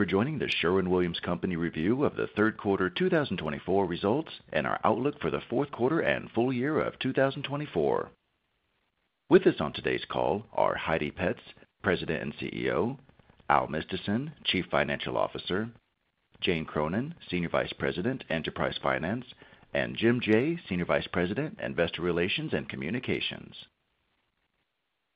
For joining the Sherwin-Williams Company review of the third quarter two thousand and twenty-four results and our outlook for the fourth quarter and full year of 2024. With us on today's call are Heidi Petz, President and CEO, Al Mistysyn, Chief Financial Officer, Jane Cronin, Senior Vice President, Enterprise Finance, and Jim Jaye, Senior Vice President, Investor Relations and Communications.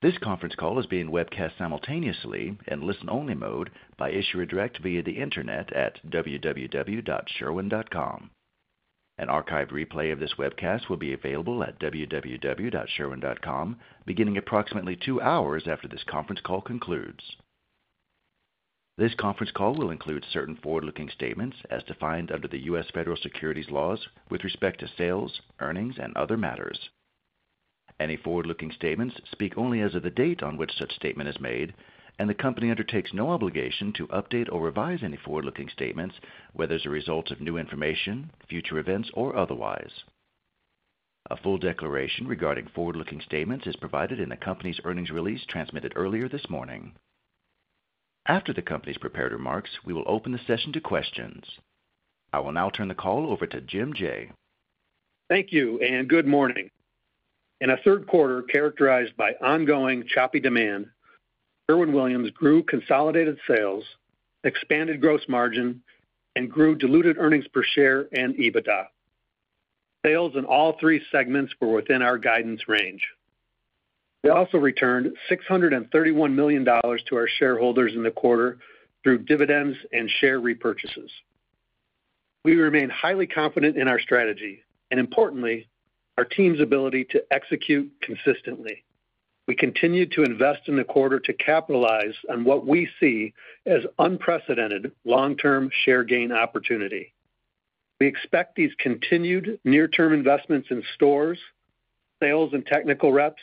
This conference call is being webcast simultaneously in listen-only mode by Issuer Direct via the Internet at www.sherwin.com. An archived replay of this webcast will be available at www.sherwin.com, beginning approximately two hours after this conference call concludes. This conference call will include certain forward-looking statements as defined under the U.S. Federal Securities laws with respect to sales, earnings, and other matters. Any forward-looking statements speak only as of the date on which such statement is made, and the company undertakes no obligation to update or revise any forward-looking statements, whether as a result of new information, future events, or otherwise. A full declaration regarding forward-looking statements is provided in the company's earnings release transmitted earlier this morning. After the company's prepared remarks, we will open the session to questions. I will now turn the call over to Jim Jaye. Thank you, and good morning. In a third quarter characterized by ongoing choppy demand, Sherwin-Williams grew consolidated sales, expanded gross margin, and grew diluted earnings per share and EBITDA. Sales in all three segments were within our guidance range. We also returned $631 million to our shareholders in the quarter through dividends and share repurchases. We remain highly confident in our strategy and, importantly, our team's ability to execute consistently. We continued to invest in the quarter to capitalize on what we see as unprecedented long-term share gain opportunity. We expect these continued near-term investments in stores, sales and technical reps,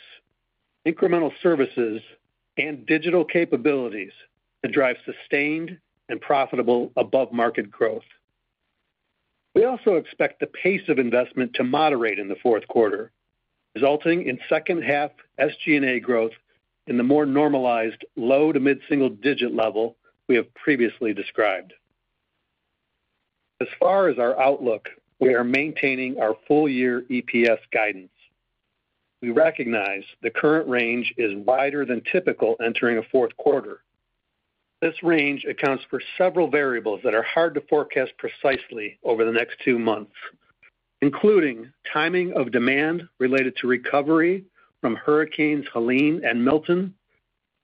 incremental services, and digital capabilities to drive sustained and profitable above-market growth. We also expect the pace of investment to moderate in the fourth quarter, resulting in second half SG&A growth in the more normalized low to mid-single-digit level we have previously described. As far as our outlook, we are maintaining our full year EPS guidance. We recognize the current range is wider than typical entering a fourth quarter. This range accounts for several variables that are hard to forecast precisely over the next two months, including timing of demand related to recovery from Hurricanes Helene and Milton,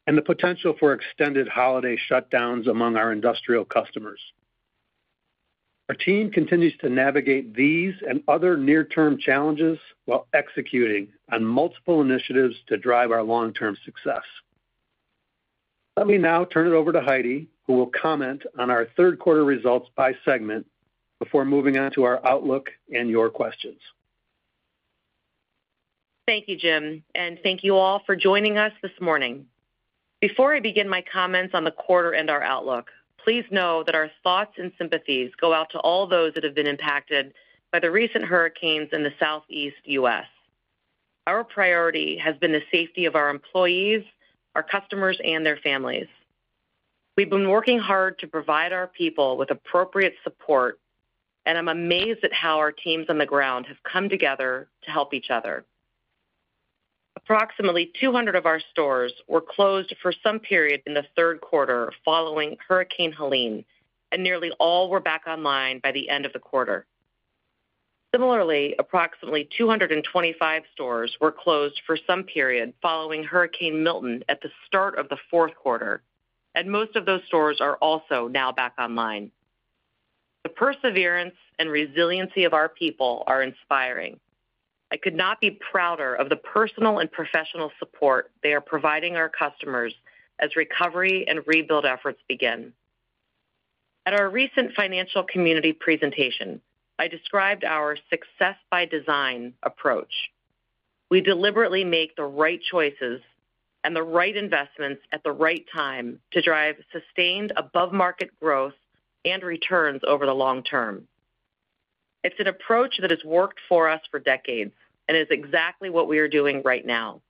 and the potential for extended holiday shutdowns among our industrial customers. Our team continues to navigate these and other near-term challenges while executing on multiple initiatives to drive our long-term success. Let me now turn it over to Heidi, who will comment on our third quarter results by segment before moving on to our outlook and your questions. Thank you, Jim, and thank you all for joining us this morning. Before I begin my comments on the quarter and our outlook, please know that our thoughts and sympathies go out to all those that have been impacted by the recent hurricanes in the Southeast U.S. Our priority has been the safety of our employees, our customers, and their families. We've been working hard to provide our people with appropriate support, and I'm amazed at how our teams on the ground have come together to help each other. Approximately two hundred of our stores were closed for some period in the third quarter following Hurricane Helene, and nearly all were back online by the end of the quarter. Similarly, approximately 225 stores were closed for some period following Hurricane Milton at the start of the fourth quarter, and most of those stores are also now back online. The perseverance and resiliency of our people are inspiring. I could not be prouder of the personal and professional support they are providing our customers as recovery and rebuild efforts begin. At our recent financial community presentation, I described our Success by Design approach. We deliberately make the right choices and the right investments at the right time to drive sustained above-market growth and returns over the long term. It's an approach that has worked for us for decades and is exactly what we are doing right now.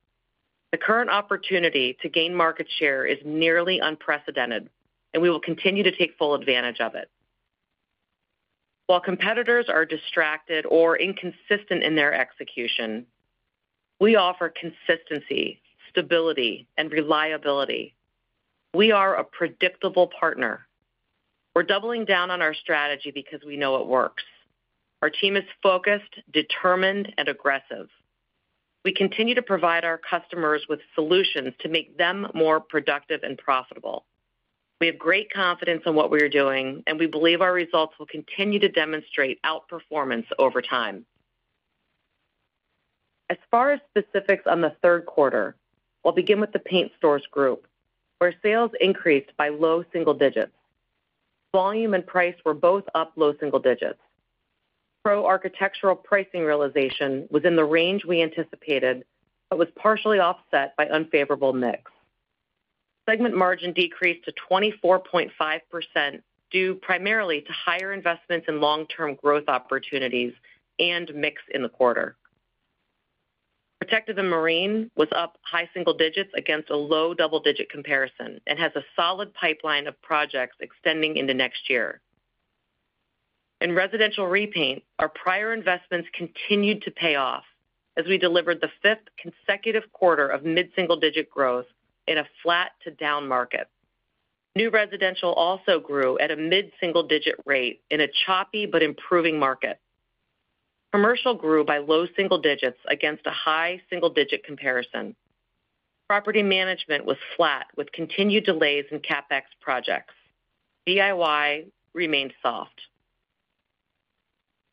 The current opportunity to gain market share is nearly unprecedented, and we will continue to take full advantage of it. While competitors are distracted or inconsistent in their execution, we offer consistency, stability, and reliability. We are a predictable partner. We're doubling down on our strategy because we know it works. Our team is focused, determined, and aggressive. We continue to provide our customers with solutions to make them more productive and profitable. We have great confidence in what we are doing, and we believe our results will continue to demonstrate outperformance over time. As far as specifics on the third quarter, we'll begin with the Paint Stores Group, where sales increased by low single digits. Volume and price were both up low single digits. Pro Architectural pricing realization was in the range we anticipated, but was partially offset by unfavorable mix. Segment margin decreased to 24.5%, due primarily to higher investments in long-term growth opportunities and mix in the quarter. Protective and Marine was up high single digits against a low double-digit comparison and has a solid pipeline of projects extending into next year. In Residential Repaint, our prior investments continued to pay off as we delivered the fifth consecutive quarter of mid-single-digit growth in a flat to down market. New Residential also grew at a mid-single-digit rate in a choppy but improving market. Commercial grew by low single digits against a high single-digit comparison. Property Management was flat, with continued delays in CapEx projects. DIY remained soft.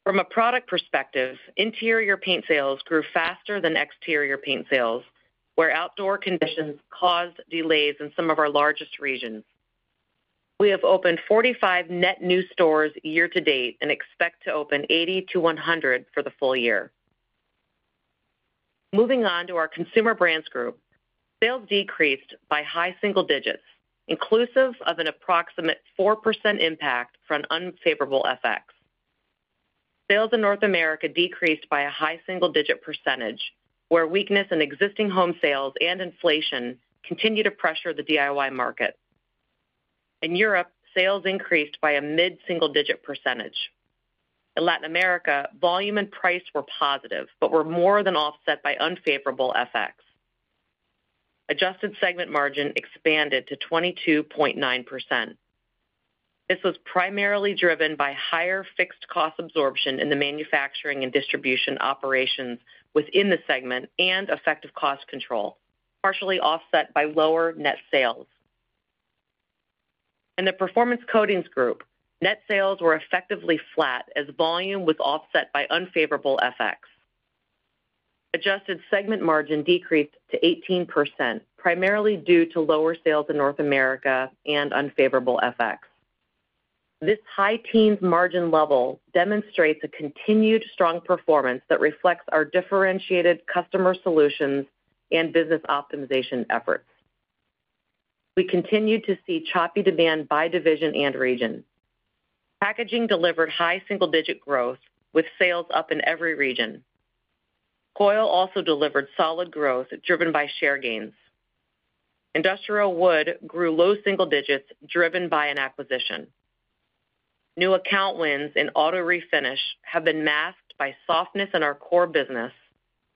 From a product perspective, interior paint sales grew faster than exterior paint sales, where outdoor conditions caused delays in some of our largest regions. We have opened 45 net new stores year to date and expect to open 80-100 for the full year. Moving on to our Consumer Brands Group. Sales decreased by high single digits, inclusive of an approximate 4% impact from unfavorable FX. Sales in North America decreased by a high single-digit percentage, where weakness in existing home sales and inflation continue to pressure the DIY market. In Europe, sales increased by a mid-single-digit percentage. In Latin America, volume and price were positive, but were more than offset by unfavorable FX. Adjusted segment margin expanded to 22.9%. This was primarily driven by higher fixed cost absorption in the manufacturing and distribution operations within the segment and effective cost control, partially offset by lower net sales. In the Performance Coatings Group, net sales were effectively flat as volume was offset by unfavorable FX. Adjusted segment margin decreased to 18%, primarily due to lower sales in North America and unfavorable FX. This high teens margin level demonstrates a continued strong performance that reflects our differentiated customer solutions and business optimization efforts. We continued to see choppy demand by division and region. Packaging delivered high single-digit growth, with sales up in every region. Coil also delivered solid growth, driven by share gains. Industrial Wood grew low single digits, driven by an acquisition. New account wins in Auto Refinish have been masked by softness in our core business,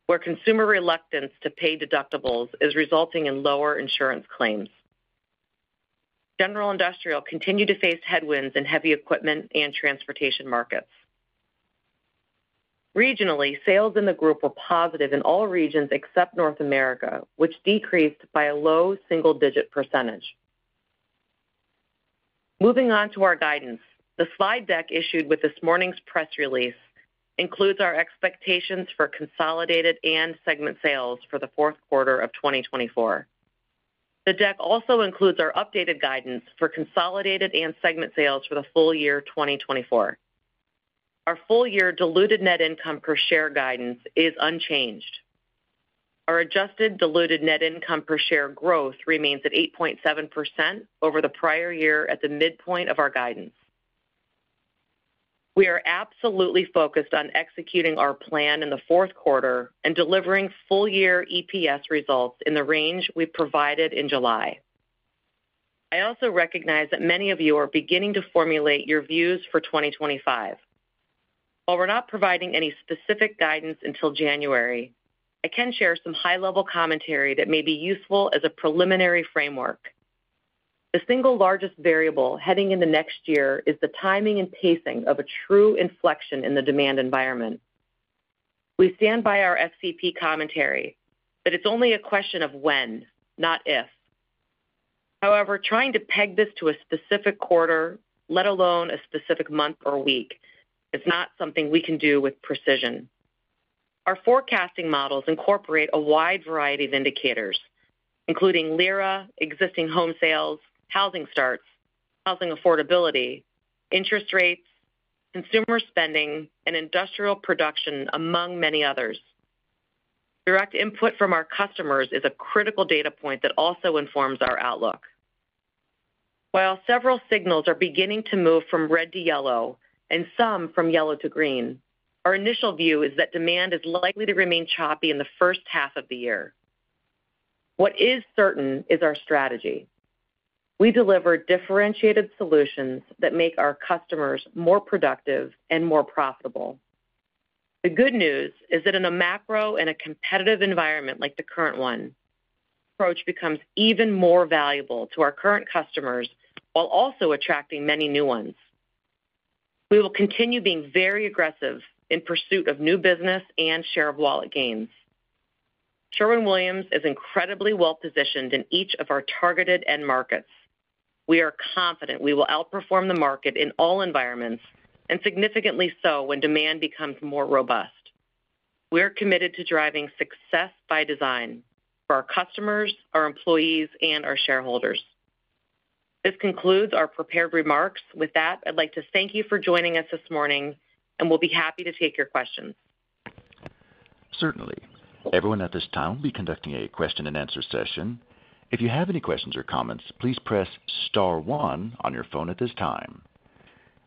where consumer reluctance to pay deductibles is resulting in lower insurance claims. General Industrial continued to face headwinds in heavy equipment and transportation markets. Regionally, sales in the group were positive in all regions except North America, which decreased by a low single-digit percentage. Moving on to our guidance. The slide deck issued with this morning's press release includes our expectations for consolidated and segment sales for the fourth quarter of 2014. The deck also includes our updated guidance for consolidated and segment sales for the full year 2024. Our full-year diluted net income per share guidance is unchanged. Our adjusted diluted net income per share growth remains at 8.7% over the prior year at the midpoint of our guidance. We are absolutely focused on executing our plan in the fourth quarter and delivering full-year EPS results in the range we provided in July. I also recognize that many of you are beginning to formulate your views for 2025. While we're not providing any specific guidance until January, I can share some high-level commentary that may be useful as a preliminary framework. The single largest variable heading into next year is the timing and pacing of a true inflection in the demand environment. We stand by our PCG commentary, that it's only a question of when, not if. However, trying to peg this to a specific quarter, let alone a specific month or week, is not something we can do with precision. Our forecasting models incorporate a wide variety of indicators, including LIRA, existing home sales, housing starts, housing affordability, interest rates, consumer spending, and industrial production, among many others. Direct input from our customers is a critical data point that also informs our outlook. While several signals are beginning to move from red to yellow and some from yellow to green, our initial view is that demand is likely to remain choppy in the first half of the year. What is certain is our strategy. We deliver differentiated solutions that make our customers more productive and more profitable. The good news is that in a macro and a competitive environment like the current one, approach becomes even more valuable to our current customers while also attracting many new ones. We will continue being very aggressive in pursuit of new business and share of wallet gains. Sherwin-Williams is incredibly well-positioned in each of our targeted end markets. We are confident we will outperform the market in all environments and significantly so when demand becomes more robust. We are committed to driving Success by Design for our customers, our employees, and our shareholders. This concludes our prepared remarks. With that, I'd like to thank you for joining us this morning, and we'll be happy to take your questions. Certainly. Everyone at this time, we'll be conducting a question and answer session. If you have any questions or comments, please press star one on your phone at this time....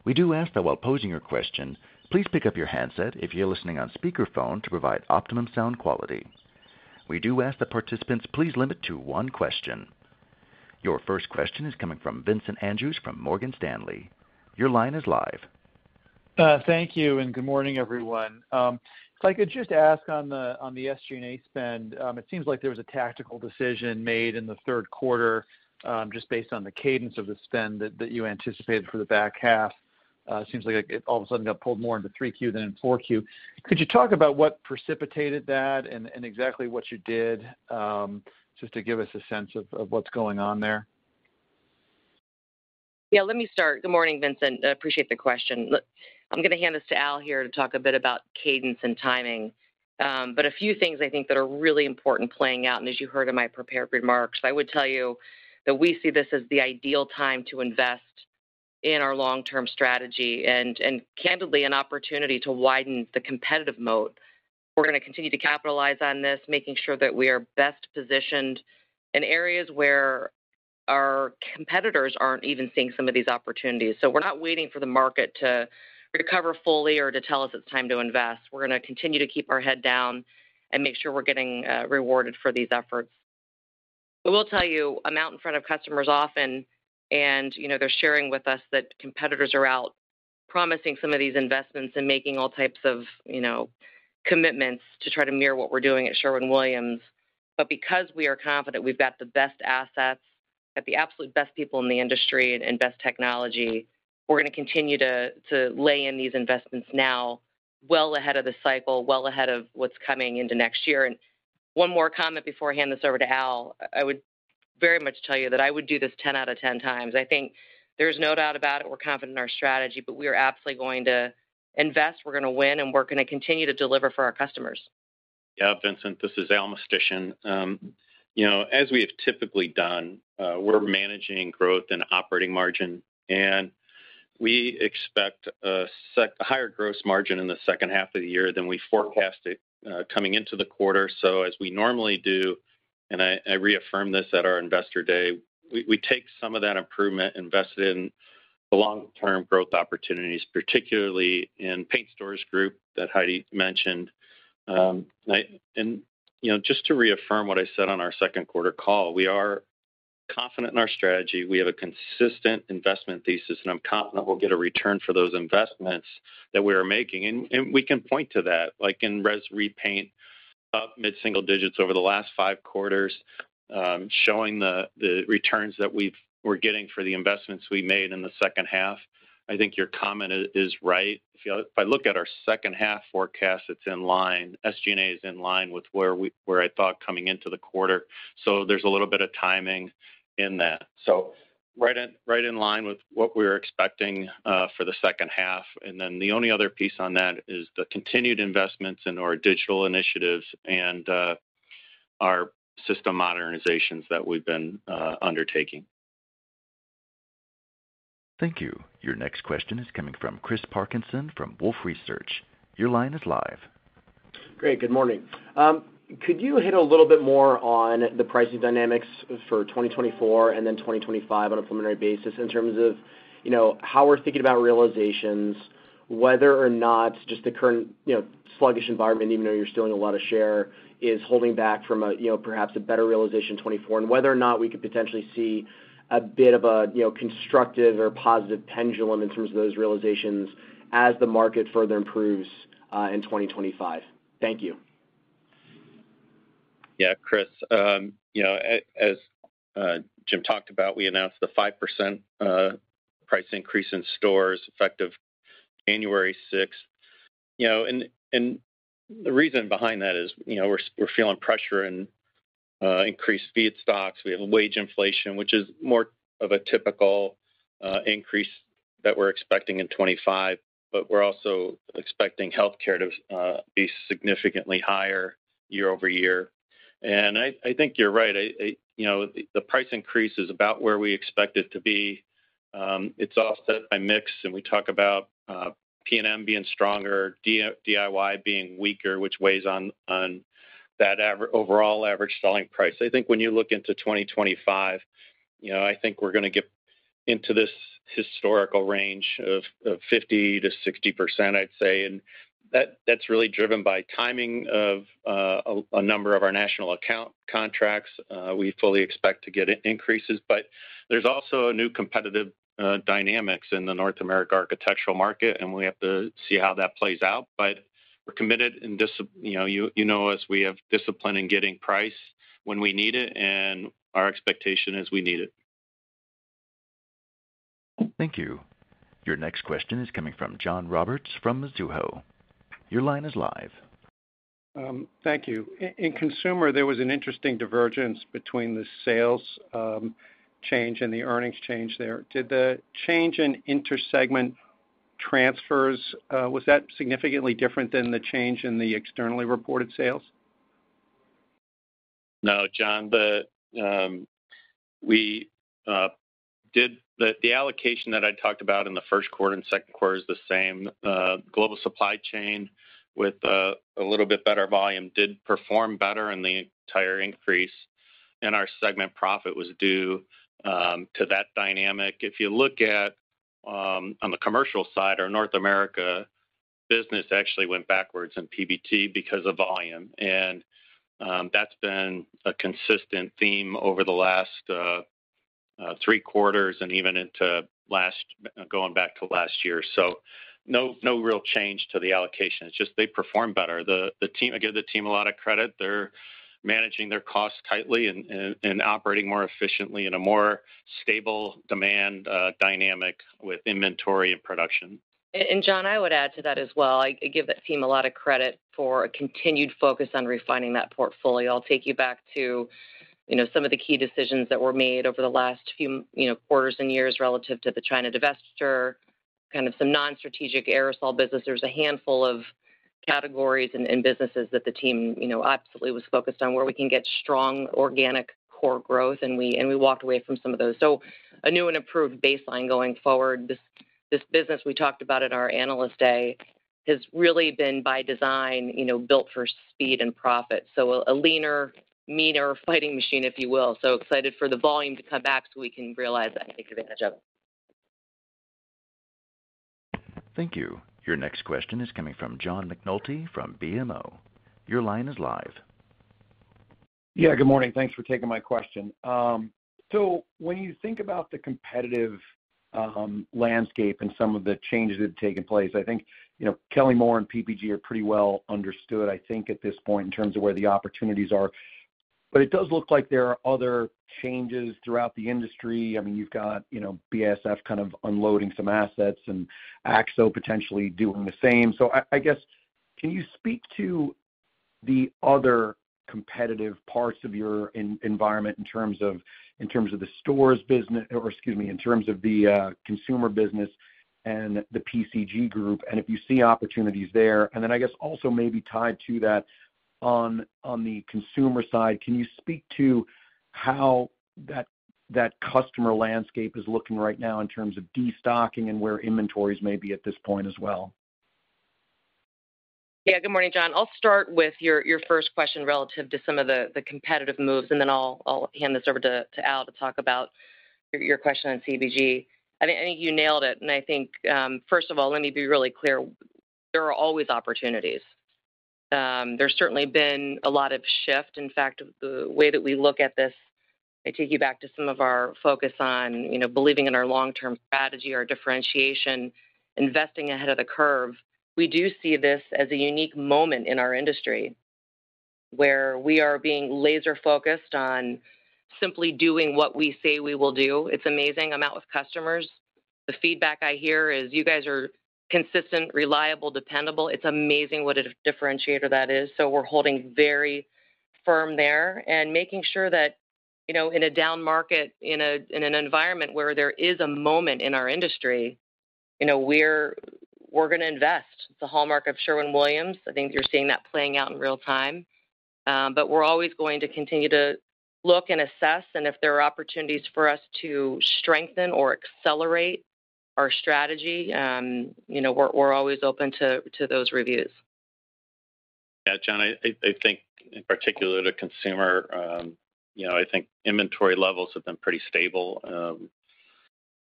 We do ask that while posing your question, please pick up your handset if you're listening on speakerphone to provide optimum sound quality. We do ask that participants please limit to one question. Your first question is coming from Vincent Andrews from Morgan Stanley. Your line is live. Thank you, and good morning, everyone. If I could just ask on the SG&A spend, it seems like there was a tactical decision made in the third quarter, just based on the cadence of the spend that you anticipated for the back half. It seems like it all of a sudden got pulled more into 3Q than in 4Q. Could you talk about what precipitated that and exactly what you did, just to give us a sense of what's going on there? Yeah, let me start. Good morning, Vincent. I appreciate the question. Look, I'm gonna hand this to Al here to talk a bit about cadence and timing. But a few things I think that are really important playing out, and as you heard in my prepared remarks, I would tell you that we see this as the ideal time to invest in our long-term strategy and, and candidly, an opportunity to widen the competitive moat. We're gonna continue to capitalize on this, making sure that we are best positioned in areas where our competitors aren't even seeing some of these opportunities. So we're not waiting for the market to recover fully or to tell us it's time to invest. We're gonna continue to keep our head down and make sure we're getting rewarded for these efforts. I will tell you, I'm out in front of customers often, and, you know, they're sharing with us that competitors are out promising some of these investments and making all types of, you know, commitments to try to mirror what we're doing at Sherwin-Williams. But because we are confident we've got the best assets, got the absolute best people in the industry and best technology, we're gonna continue to lay in these investments now, well ahead of the cycle, well ahead of what's coming into next year. And one more comment before I hand this over to Al. I would very much tell you that I would do this ten out of ten times. I think there's no doubt about it, we're confident in our strategy, but we are absolutely going to invest, we're gonna win, and we're gonna continue to deliver for our customers. Yeah, Vincent, this is Al Mistysyn. You know, as we have typically done, we're managing growth and operating margin, and we expect a higher gross margin in the second half of the year than we forecasted, coming into the quarter. So as we normally do, and I, I reaffirmed this at our Investor Day, we, we take some of that improvement invested in the long-term growth opportunities, particularly in Paint Stores Group that Heidi mentioned. And, you know, just to reaffirm what I said on our second quarter call, we are confident in our strategy. We have a consistent investment thesis, and I'm confident we'll get a return for those investments that we are making. And we can point to that, like in Res Repaint, up mid-single digits over the last five quarters, showing the returns that we're getting for the investments we made in the second half. I think your comment is right. If I look at our second half forecast, it's in line, SG&A is in line with where I thought coming into the quarter. So there's a little bit of timing in that. So right in line with what we're expecting for the second half. And then the only other piece on that is the continued investments in our digital initiatives and our system modernizations that we've been undertaking. Thank you. Your next question is coming from Chris Parkinson from Wolfe Research. Your line is live. Great, good morning. Could you hit a little bit more on the pricing dynamics for 2024 and then 2025 on a preliminary basis in terms of, you know, how we're thinking about realizations, whether or not just the current, you know, sluggish environment, even though you're still in a lot of share, is holding back from a, you know, perhaps a better realization 2024, and whether or not we could potentially see a bit of a, you know, constructive or positive pendulum in terms of those realizations as the market further improves in 2025. Thank you. Yeah, Chris, you know, as Jim talked about, we announced the 5% price increase in stores effective January 6th. You know, and the reason behind that is, you know, we're feeling pressure in increased feedstocks. We have wage inflation, which is more of a typical increase that we're expecting in 2025, but we're also expecting healthcare to be significantly higher year-over-year. And I think you're right. You know, the price increase is about where we expect it to be. It's offset by mix, and we talk about P&M being stronger, DIY being weaker, which weighs on that overall average selling price. I think when you look into 2025, you know, I think we're gonna get into this historical range of 50%-60%, I'd say, and that's really driven by timing of a number of our national account contracts. We fully expect to get increases, but there's also new competitive dynamics in the North America architectural market, and we have to see how that plays out. But we're committed, and you know, you know us, we have discipline in getting price when we need it, and our expectation is we need it. Thank you. Your next question is coming from John Roberts from Mizuho. Your line is live. Thank you. In consumer, there was an interesting divergence between the sales change and the earnings change there. Did the change in intersegment transfers was that significantly different than the change in the externally reported sales? No, John, the allocation that I talked about in the first quarter and second quarter is the same. Global supply chain, with a little bit better volume, did perform better, and the entire increase in our segment profit was due to that dynamic. If you look at on the commercial side or North America business actually went backwards in PBT because of volume. And that's been a consistent theme over the last three quarters and even going back to last year. So no, no real change to the allocation. It's just they perform better. The team, I give the team a lot of credit. They're managing their costs tightly and operating more efficiently in a more stable demand dynamic with inventory and production. John, I would add to that as well. I give that team a lot of credit for a continued focus on refining that portfolio. I'll take you back to, you know, some of the key decisions that were made over the last few, you know, quarters and years relative to the China divestiture, kind of some non-strategic aerosol business. There's a handful of categories and businesses that the team, you know, absolutely was focused on, where we can get strong organic core growth, and we walked away from some of those. So a new and improved baseline going forward. This business we talked about at our Analyst Day has really been by design, you know, built for speed and profit. So a leaner, meaner, fighting machine, if you will. So excited for the volume to come back, so we can realize that and take advantage of it. Thank you. Your next question is coming from John McNulty from BMO. Your line is live. Yeah, good morning. Thanks for taking my question. So when you think about the competitive landscape and some of the changes that have taken place, I think, you know, Kelly-Moore and PPG are pretty well understood, I think, at this point, in terms of where the opportunities are. But it does look like there are other changes throughout the industry. I mean, you've got, you know, BASF kind of unloading some assets and Akzo potentially doing the same. So I guess, can you speak to the other competitive parts of your environment in terms of the stores business, or excuse me, in terms of the consumer business and the PCG group, and if you see opportunities there? I guess also maybe tied to that, on the consumer side, can you speak to how that customer landscape is looking right now in terms of destocking and where inventories may be at this point as well? Yeah, good morning, John. I'll start with your first question relative to some of the competitive moves, and then I'll hand this over to Al to talk about your question on CBG. I think you nailed it, and I think first of all, let me be really clear, there are always opportunities. There's certainly been a lot of shift. In fact, the way that we look at this, I take you back to some of our focus on, you know, believing in our long-term strategy, our differentiation, investing ahead of the curve. We do see this as a unique moment in our industry, where we are being laser focused on simply doing what we say we will do. It's amazing. I'm out with customers. The feedback I hear is: "You guys are consistent, reliable, dependable." It's amazing what a differentiator that is. So we're holding very firm there and making sure that, you know, in a down market, in an environment where there is a moment in our industry, you know, we're gonna invest. It's a hallmark of Sherwin-Williams. I think you're seeing that playing out in real time. But we're always going to continue to look and assess, and if there are opportunities for us to strengthen or accelerate our strategy, you know, we're always open to those reviews. Yeah, John, I think in particular to consumer, you know, I think inventory levels have been pretty stable.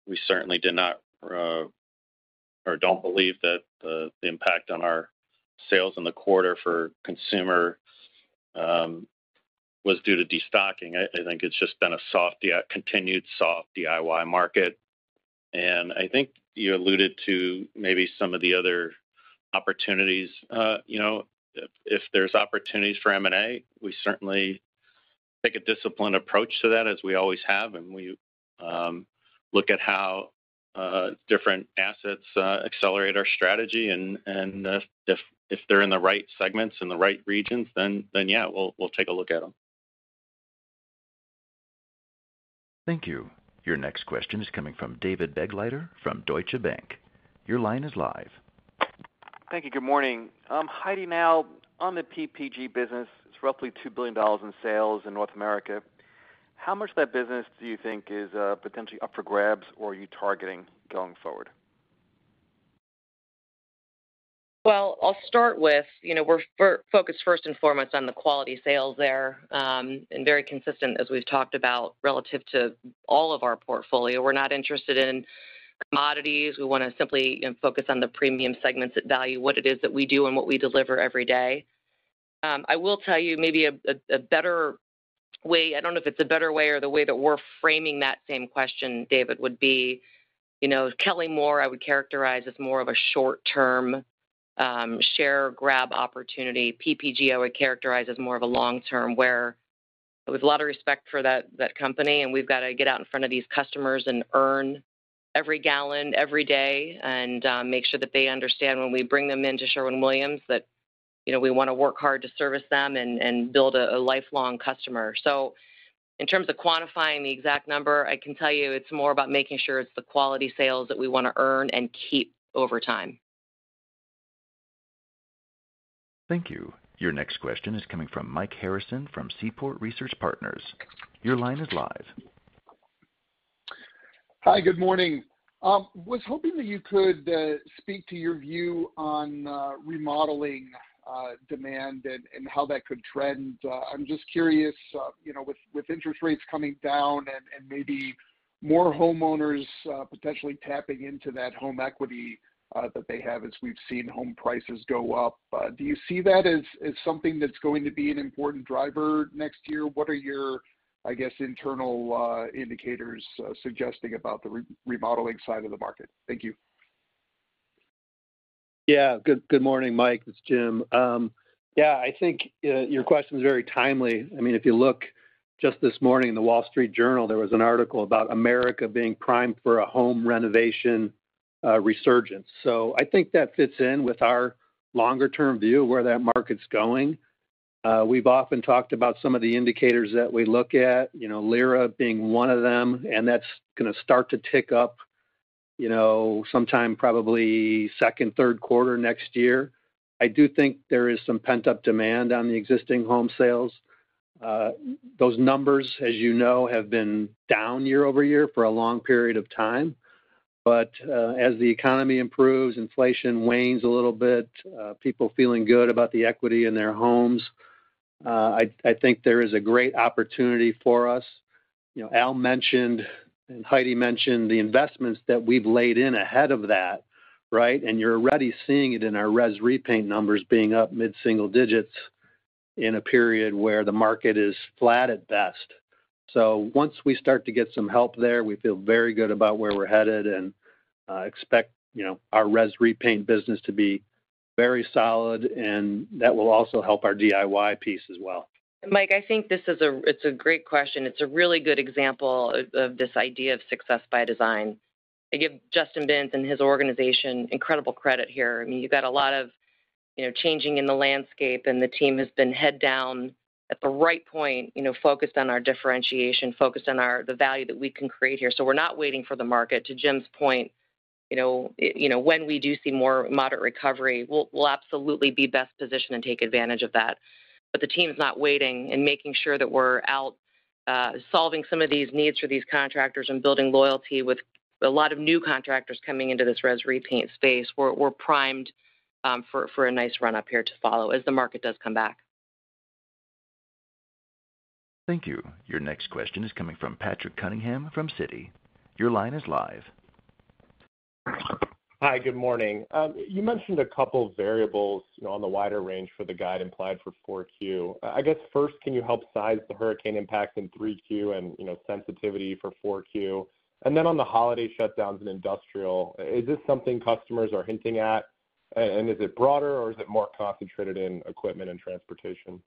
We certainly did not or don't believe that the impact on our sales in the quarter for consumer was due to destocking. I think it's just been a soft continued soft DIY market, and I think you alluded to maybe some of the other opportunities. You know, if there's opportunities for M&A, we certainly take a disciplined approach to that, as we always have, and we look at how different assets accelerate our strategy. And if they're in the right segments, in the right regions, then yeah, we'll take a look at them. Thank you. Your next question is coming from David Begleiter from Deutsche Bank. Your line is live. Thank you. Good morning. Heidi, now, on the PPG business, it's roughly $2 billion in sales in North America. How much of that business do you think is, potentially up for grabs, or are you targeting going forward? I'll start with, you know, we're focused first and foremost on the quality sales there, and very consistent as we've talked about relative to all of our portfolio. We're not interested in commodities. We wanna simply, you know, focus on the premium segments that value what it is that we do and what we deliver every day. I will tell you maybe a better way. I don't know if it's a better way or the way that we're framing that same question, David, would be: you know, Kelly-Moore, I would characterize as more of a short-term share grab opportunity. PPG, I would characterize as more of a long-term, where with a lot of respect for that company, and we've got to get out in front of these customers and earn every gallon, every day, and make sure that they understand when we bring them into Sherwin-Williams, that, you know, we wanna work hard to service them and build a lifelong customer. So in terms of quantifying the exact number, I can tell you it's more about making sure it's the quality sales that we wanna earn and keep over time. Thank you. Your next question is coming from Mike Harrison from Seaport Research Partners. Your line is live. Hi, good morning. I was hoping that you could speak to your view on remodeling demand and how that could trend. I'm just curious, you know, with interest rates coming down and maybe more homeowners, potentially tapping into that home equity, that they have as we've seen home prices go up. Do you see that as something that's going to be an important driver next year? What are your, I guess, internal indicators suggesting about the remodeling side of the market? Thank you. Yeah. Good morning, Mike, it's Jim. Yeah, I think your question is very timely. I mean, if you look just this morning in The Wall Street Journal, there was an article about America being primed for a home renovation resurgence. So I think that fits in with our longer-term view of where that market's going. We've often talked about some of the indicators that we look at, you know, LIRA being one of them, and that's gonna start to tick up, you know, sometime probably second, third quarter next year. I do think there is some pent-up demand on the existing home sales. Those numbers, as you know, have been down year-over-year for a long period of time. But as the economy improves, inflation wanes a little bit, people feeling good about the equity in their homes, I think there is a great opportunity for us. You know, Al mentioned, and Heidi mentioned the investments that we've laid in ahead of that, right? And you're already seeing it in our Res Repaint numbers being up mid-single digits in a period where the market is flat at best. So once we start to get some help there, we feel very good about where we're headed and expect, you know, our Res Repaint business to be very solid, and that will also help our DIY piece as well. Mike, I think this is—it's a great question. It's a really good example of this idea of Success by Design. I give Justin Binns and his organization incredible credit here. I mean, you've got a lot of, you know, changing in the landscape, and the team has been head down at the right point, you know, focused on our differentiation, focused on the value that we can create here. So we're not waiting for the market. To Jim's point, you know, when we do see more moderate recovery, we'll absolutely be best positioned and take advantage of that. But the team's not waiting and making sure that we're out solving some of these needs for these contractors and building loyalty with a lot of new contractors coming into this Res Repaint space. We're primed for a nice run-up here to follow as the market does come back. Thank you. Your next question is coming from Patrick Cunningham from Citi. Your line is live. Hi, good morning. You mentioned a couple of variables, you know, on the wider range for the guidance implied for 4Q. I guess, first, can you help size the hurricane impact in 3Q and, you know, sensitivity for 4Q? And then on the holiday shutdowns in industrial, is this something customers are hinting at, and is it broader, or is it more concentrated in equipment and transportation?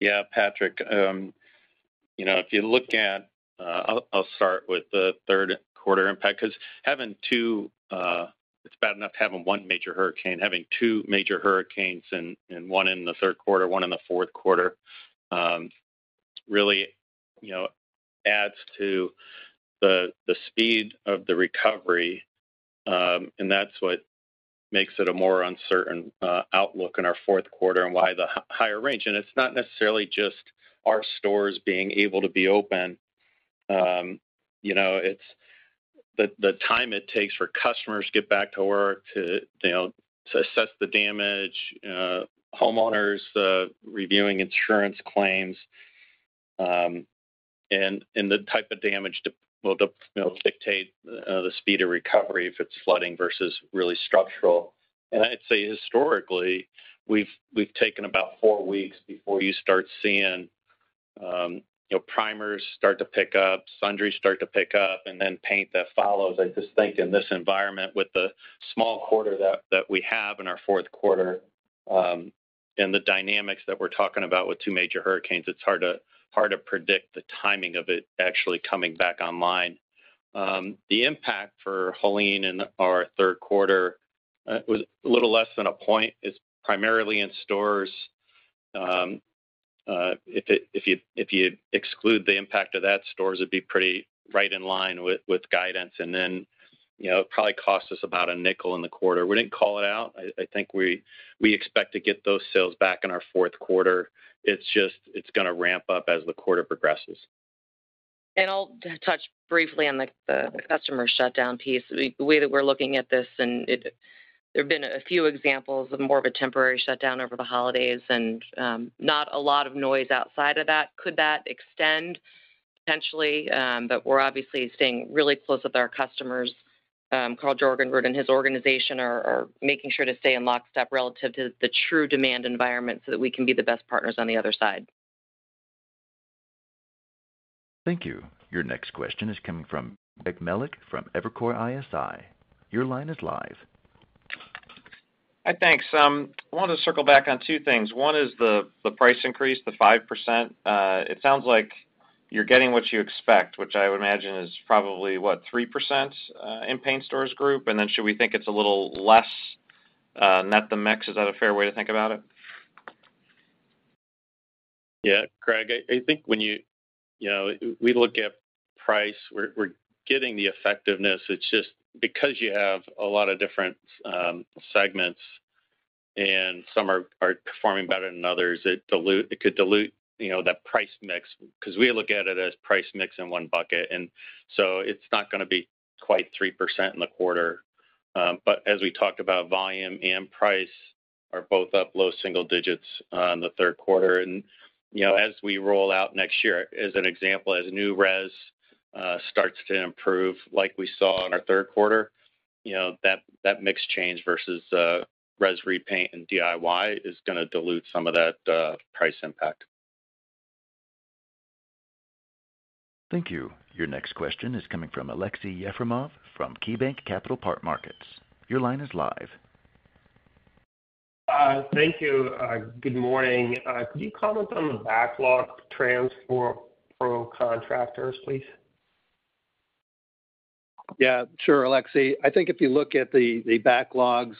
Yeah, Patrick, you know, if you look at, I'll start with the third quarter impact, 'cause having two, it's bad enough having one major hurricane, having two major hurricanes and one in the third quarter, one in the fourth quarter, really, you know, adds to the speed of the recovery, and that's what makes it a more uncertain outlook in our fourth quarter and why the higher range. It's not necessarily just our stores being able to be open. You know, it's the time it takes for customers to get back to work, to, you know, to assess the damage, homeowners reviewing insurance claims, and the type of damage will, you know, dictate the speed of recovery if it's flooding versus really structural. I'd say historically, we've taken about four weeks before you start seeing, you know, primers start to pick up, sundries start to pick up, and then paint that follows. I just think in this environment, with the small quarter that we have in our fourth quarter, and the dynamics that we're talking about with two major hurricanes, it's hard to predict the timing of it actually coming back online. The impact for Helene in our third quarter was a little less than a point. It's primarily in stores. If you exclude the impact of that, stores would be pretty right in line with guidance, and then, you know, it probably cost us about $0.05 in the quarter. We didn't call it out. I think we expect to get those sales back in our fourth quarter. It's just gonna ramp up as the quarter progresses. I'll touch briefly on the customer shutdown piece. The way that we're looking at this, there have been a few examples of more of a temporary shutdown over the holidays and, not a lot of noise outside of that. Could that extend? Potentially, but we're obviously staying really close with our customers. Karl Jorgenrud and his organization are making sure to stay in lockstep relative to the true demand environment so that we can be the best partners on the other side. Thank you. Your next question is coming from Greg Melich from Evercore ISI. Your line is live. Hi, thanks. I wanted to circle back on two things. One is the price increase, the 5%. It sounds like you're getting what you expect, which I would imagine is probably, what, 3% in Paint Stores Group? And then should we think it's a little less net-to-mix? Is that a fair way to think about it? Yeah, Greg, I think when you... You know, we look at price, we're getting the effectiveness. It's just because you have a lot of different segments and some are performing better than others, it could dilute, you know, that price mix, 'cause we look at it as price mix in one bucket, and so it's not gonna be quite 3% in the quarter. But as we talked about, volume and price are both up low single digits on the third quarter. And, you know, as we roll out next year, as an example, as New Res starts to improve like we saw in our third quarter, you know, that mix change versus Res Repaint and DIY is going to dilute some of that price impact. Thank you. Your next question is coming from Aleksey Yefremov, from KeyBanc Capital Markets. Your line is live. Thank you. Good morning. Could you comment on the backlog trends for pro contractors, please? Yeah, sure, Alexi. I think if you look at the backlogs,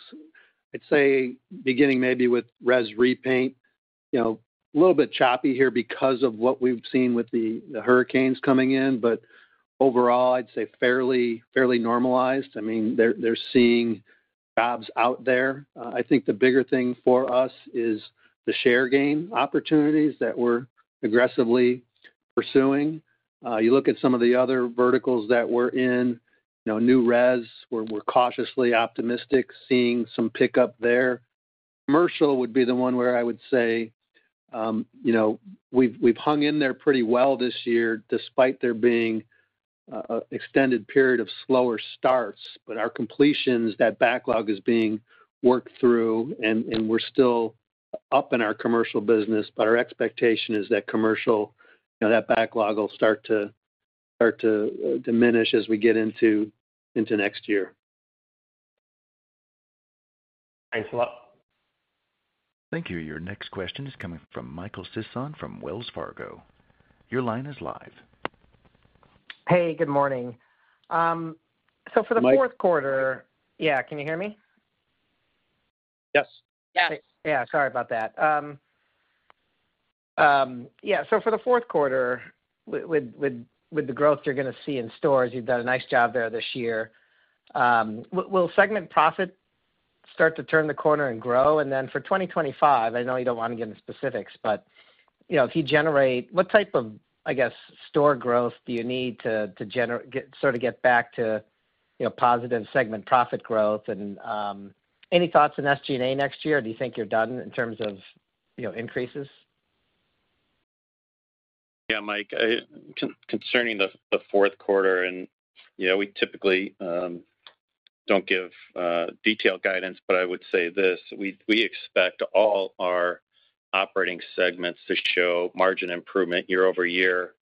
I'd say beginning maybe with Res Repaint, you know, a little bit choppy here because of what we've seen with the hurricanes coming in, but overall, I'd say fairly normalized. I mean, they're seeing jobs out there. I think the bigger thing for us is the share gain opportunities that we're aggressively pursuing. You look at some of the other verticals that we're in, you know, New Res, where we're cautiously optimistic, seeing some pickup there. Commercial would be the one where I would say, you know, we've hung in there pretty well this year, despite there being an extended period of slower starts. But our completions, that backlog is being worked through, and we're still up in our commercial business, but our expectation is that commercial, you know, that backlog will start to diminish as we get into next year. Thanks a lot. Thank you. Your next question is coming from Michael Sisson from Wells Fargo. Your line is live. Hey, good morning. So for the fourth quarter- Mike? Yeah, can you hear me? Yes Yeah, sorry about that. Yeah, so for the fourth quarter, with the growth you're going to see in stores, you've done a nice job there this year. Will segment profit start to turn the corner and grow? And then for 2025, I know you don't want to get into specifics, but, you know, if you generate-- what type of, I guess, store growth do you need to generate-- get, sort of, get back to, you know, positive segment profit growth? And, any thoughts on SG&A next year, or do you think you're done in terms of, you know, increases? Yeah, Mike, concerning the fourth quarter and, you know, we typically don't give detailed guidance, but I would say this: We expect all our operating segments to show margin improvement year-over-year.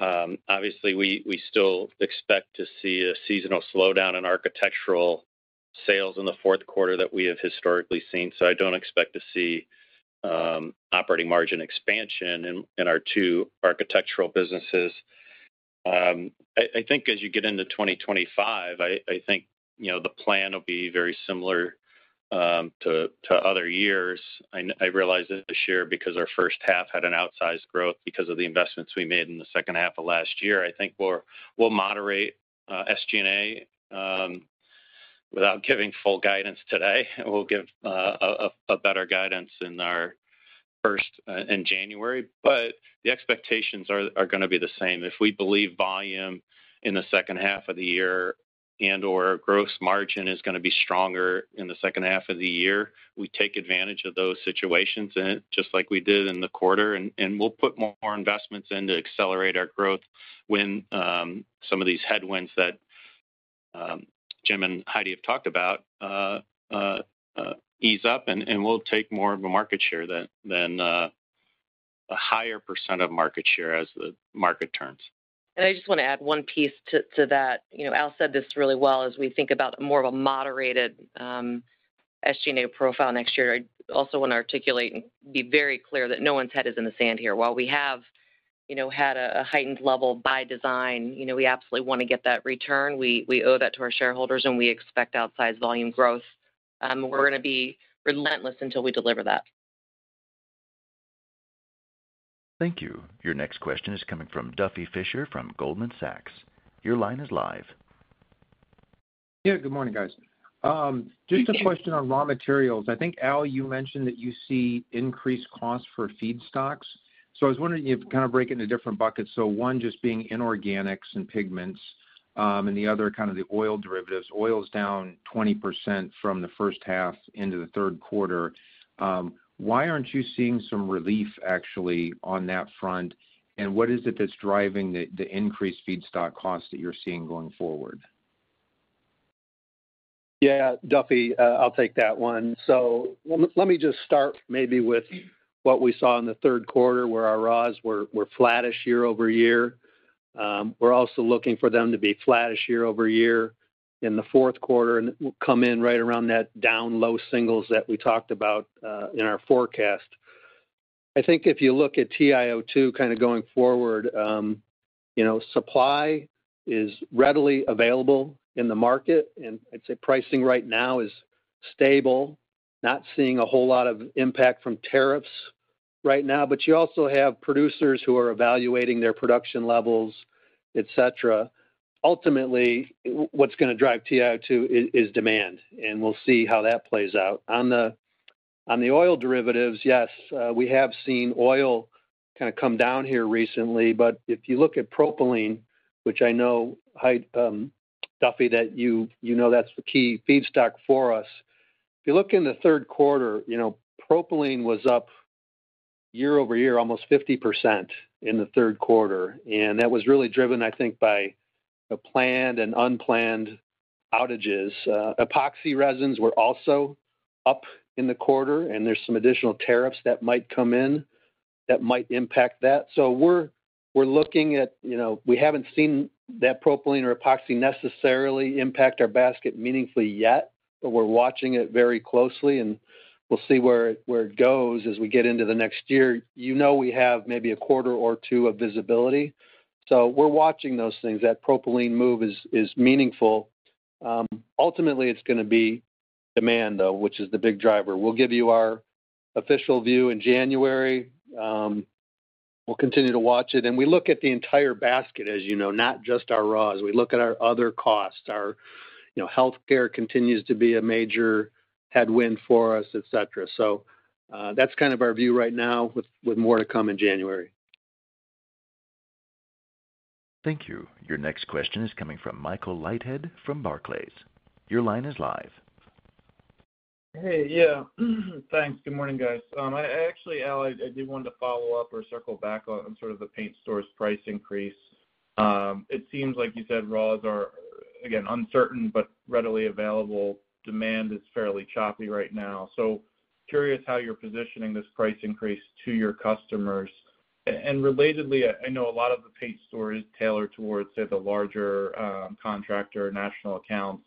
Obviously, we still expect to see a seasonal slowdown in architectural sales in the fourth quarter that we have historically seen, so I don't expect to see operating margin expansion in our two architectural businesses. I think as you get into 2025, I think, you know, the plan will be very similar to other years. I realize this year, because our first half had an outsized growth because of the investments we made in the second half of last year, I think we'll moderate SG&A without giving full guidance today. We'll give a better guidance in our first in January. But the expectations are going to be the same. If we believe volume in the second half of the year and/or gross margin is going to be stronger in the second half of the year, we take advantage of those situations, and just like we did in the quarter, and we'll put more investments in to accelerate our growth when some of these headwinds that Jim and Heidi have talked about ease up, and we'll take more of a market share than a higher % of market share as the market turns. And I just want to add one piece to that. You know, Al said this really well as we think about more of a moderated SG&A profile next year. I also want to articulate, be very clear that no one's head is in the sand here. While we have, you know, had a heightened level by design, you know, we absolutely want to get that return. We owe that to our shareholders, and we expect outsized volume growth. We're going to be relentless until we deliver that. Thank you. Your next question is coming from Duffy Fischer, from Goldman Sachs. Your line is live. Yeah, good morning, guys. Just a question on raw materials. I think, Al, you mentioned that you see increased costs for feedstocks. So I was wondering if you kind of break it into different buckets. So one, just being inorganics and pigments, and the other, kind of the oil derivatives. Oil is down 20% from the first half into the third quarter. Why aren't you seeing some relief actually on that front? And what is it that's driving the increased feedstock costs that you're seeing going forward? Yeah, Duffy, I'll take that one. So let me just start maybe with what we saw in the third quarter, where our raws were flattish year-over-year. We're also looking for them to be flattish year-over-year in the fourth quarter, and it will come in right around that down low single digits that we talked about in our forecast. I think if you look at TiO2 kind of going forward, you know, supply is readily available in the market, and I'd say pricing right now is stable. Not seeing a whole lot of impact from tariffs right now, but you also have producers who are evaluating their production levels, et cetera. Ultimately, what's going to drive TiO2 is demand, and we'll see how that plays out. On the-... On the oil derivatives, yes, we have seen oil kind of come down here recently, but if you look at propylene, which I know, Heidi, Duffy, that you know that's the key feedstock for us. If you look in the third quarter, you know, propylene was up year-over-year, almost 50% in the third quarter, and that was really driven, I think, by the planned and unplanned outages. Epoxy resins were also up in the quarter, and there's some additional tariffs that might come in that might impact that. So we're looking at, you know, we haven't seen that propylene or epoxy necessarily impact our basket meaningfully yet, but we're watching it very closely, and we'll see where it goes as we get into the next year. You know, we have maybe a quarter or two of visibility, so we're watching those things. That propylene move is meaningful. Ultimately, it's gonna be demand, though, which is the big driver. We'll give you our official view in January. We'll continue to watch it, and we look at the entire basket, as you know, not just our raws. We look at our other costs. Our, you know, healthcare continues to be a major headwind for us, et cetera. So, that's kind of our view right now, with more to come in January. Thank you. Your next question is coming from Michael Leithead from Barclays. Your line is live. Hey. Yeah. Thanks. Good morning, guys. I actually, Al, I did want to follow up or circle back on sort of the paint stores price increase. It seems like you said raws are, again, uncertain but readily available. Demand is fairly choppy right now. So curious how you're positioning this price increase to your customers. And, relatedly, I know a lot of the paint store is tailored towards, say, the larger, contractor national accounts,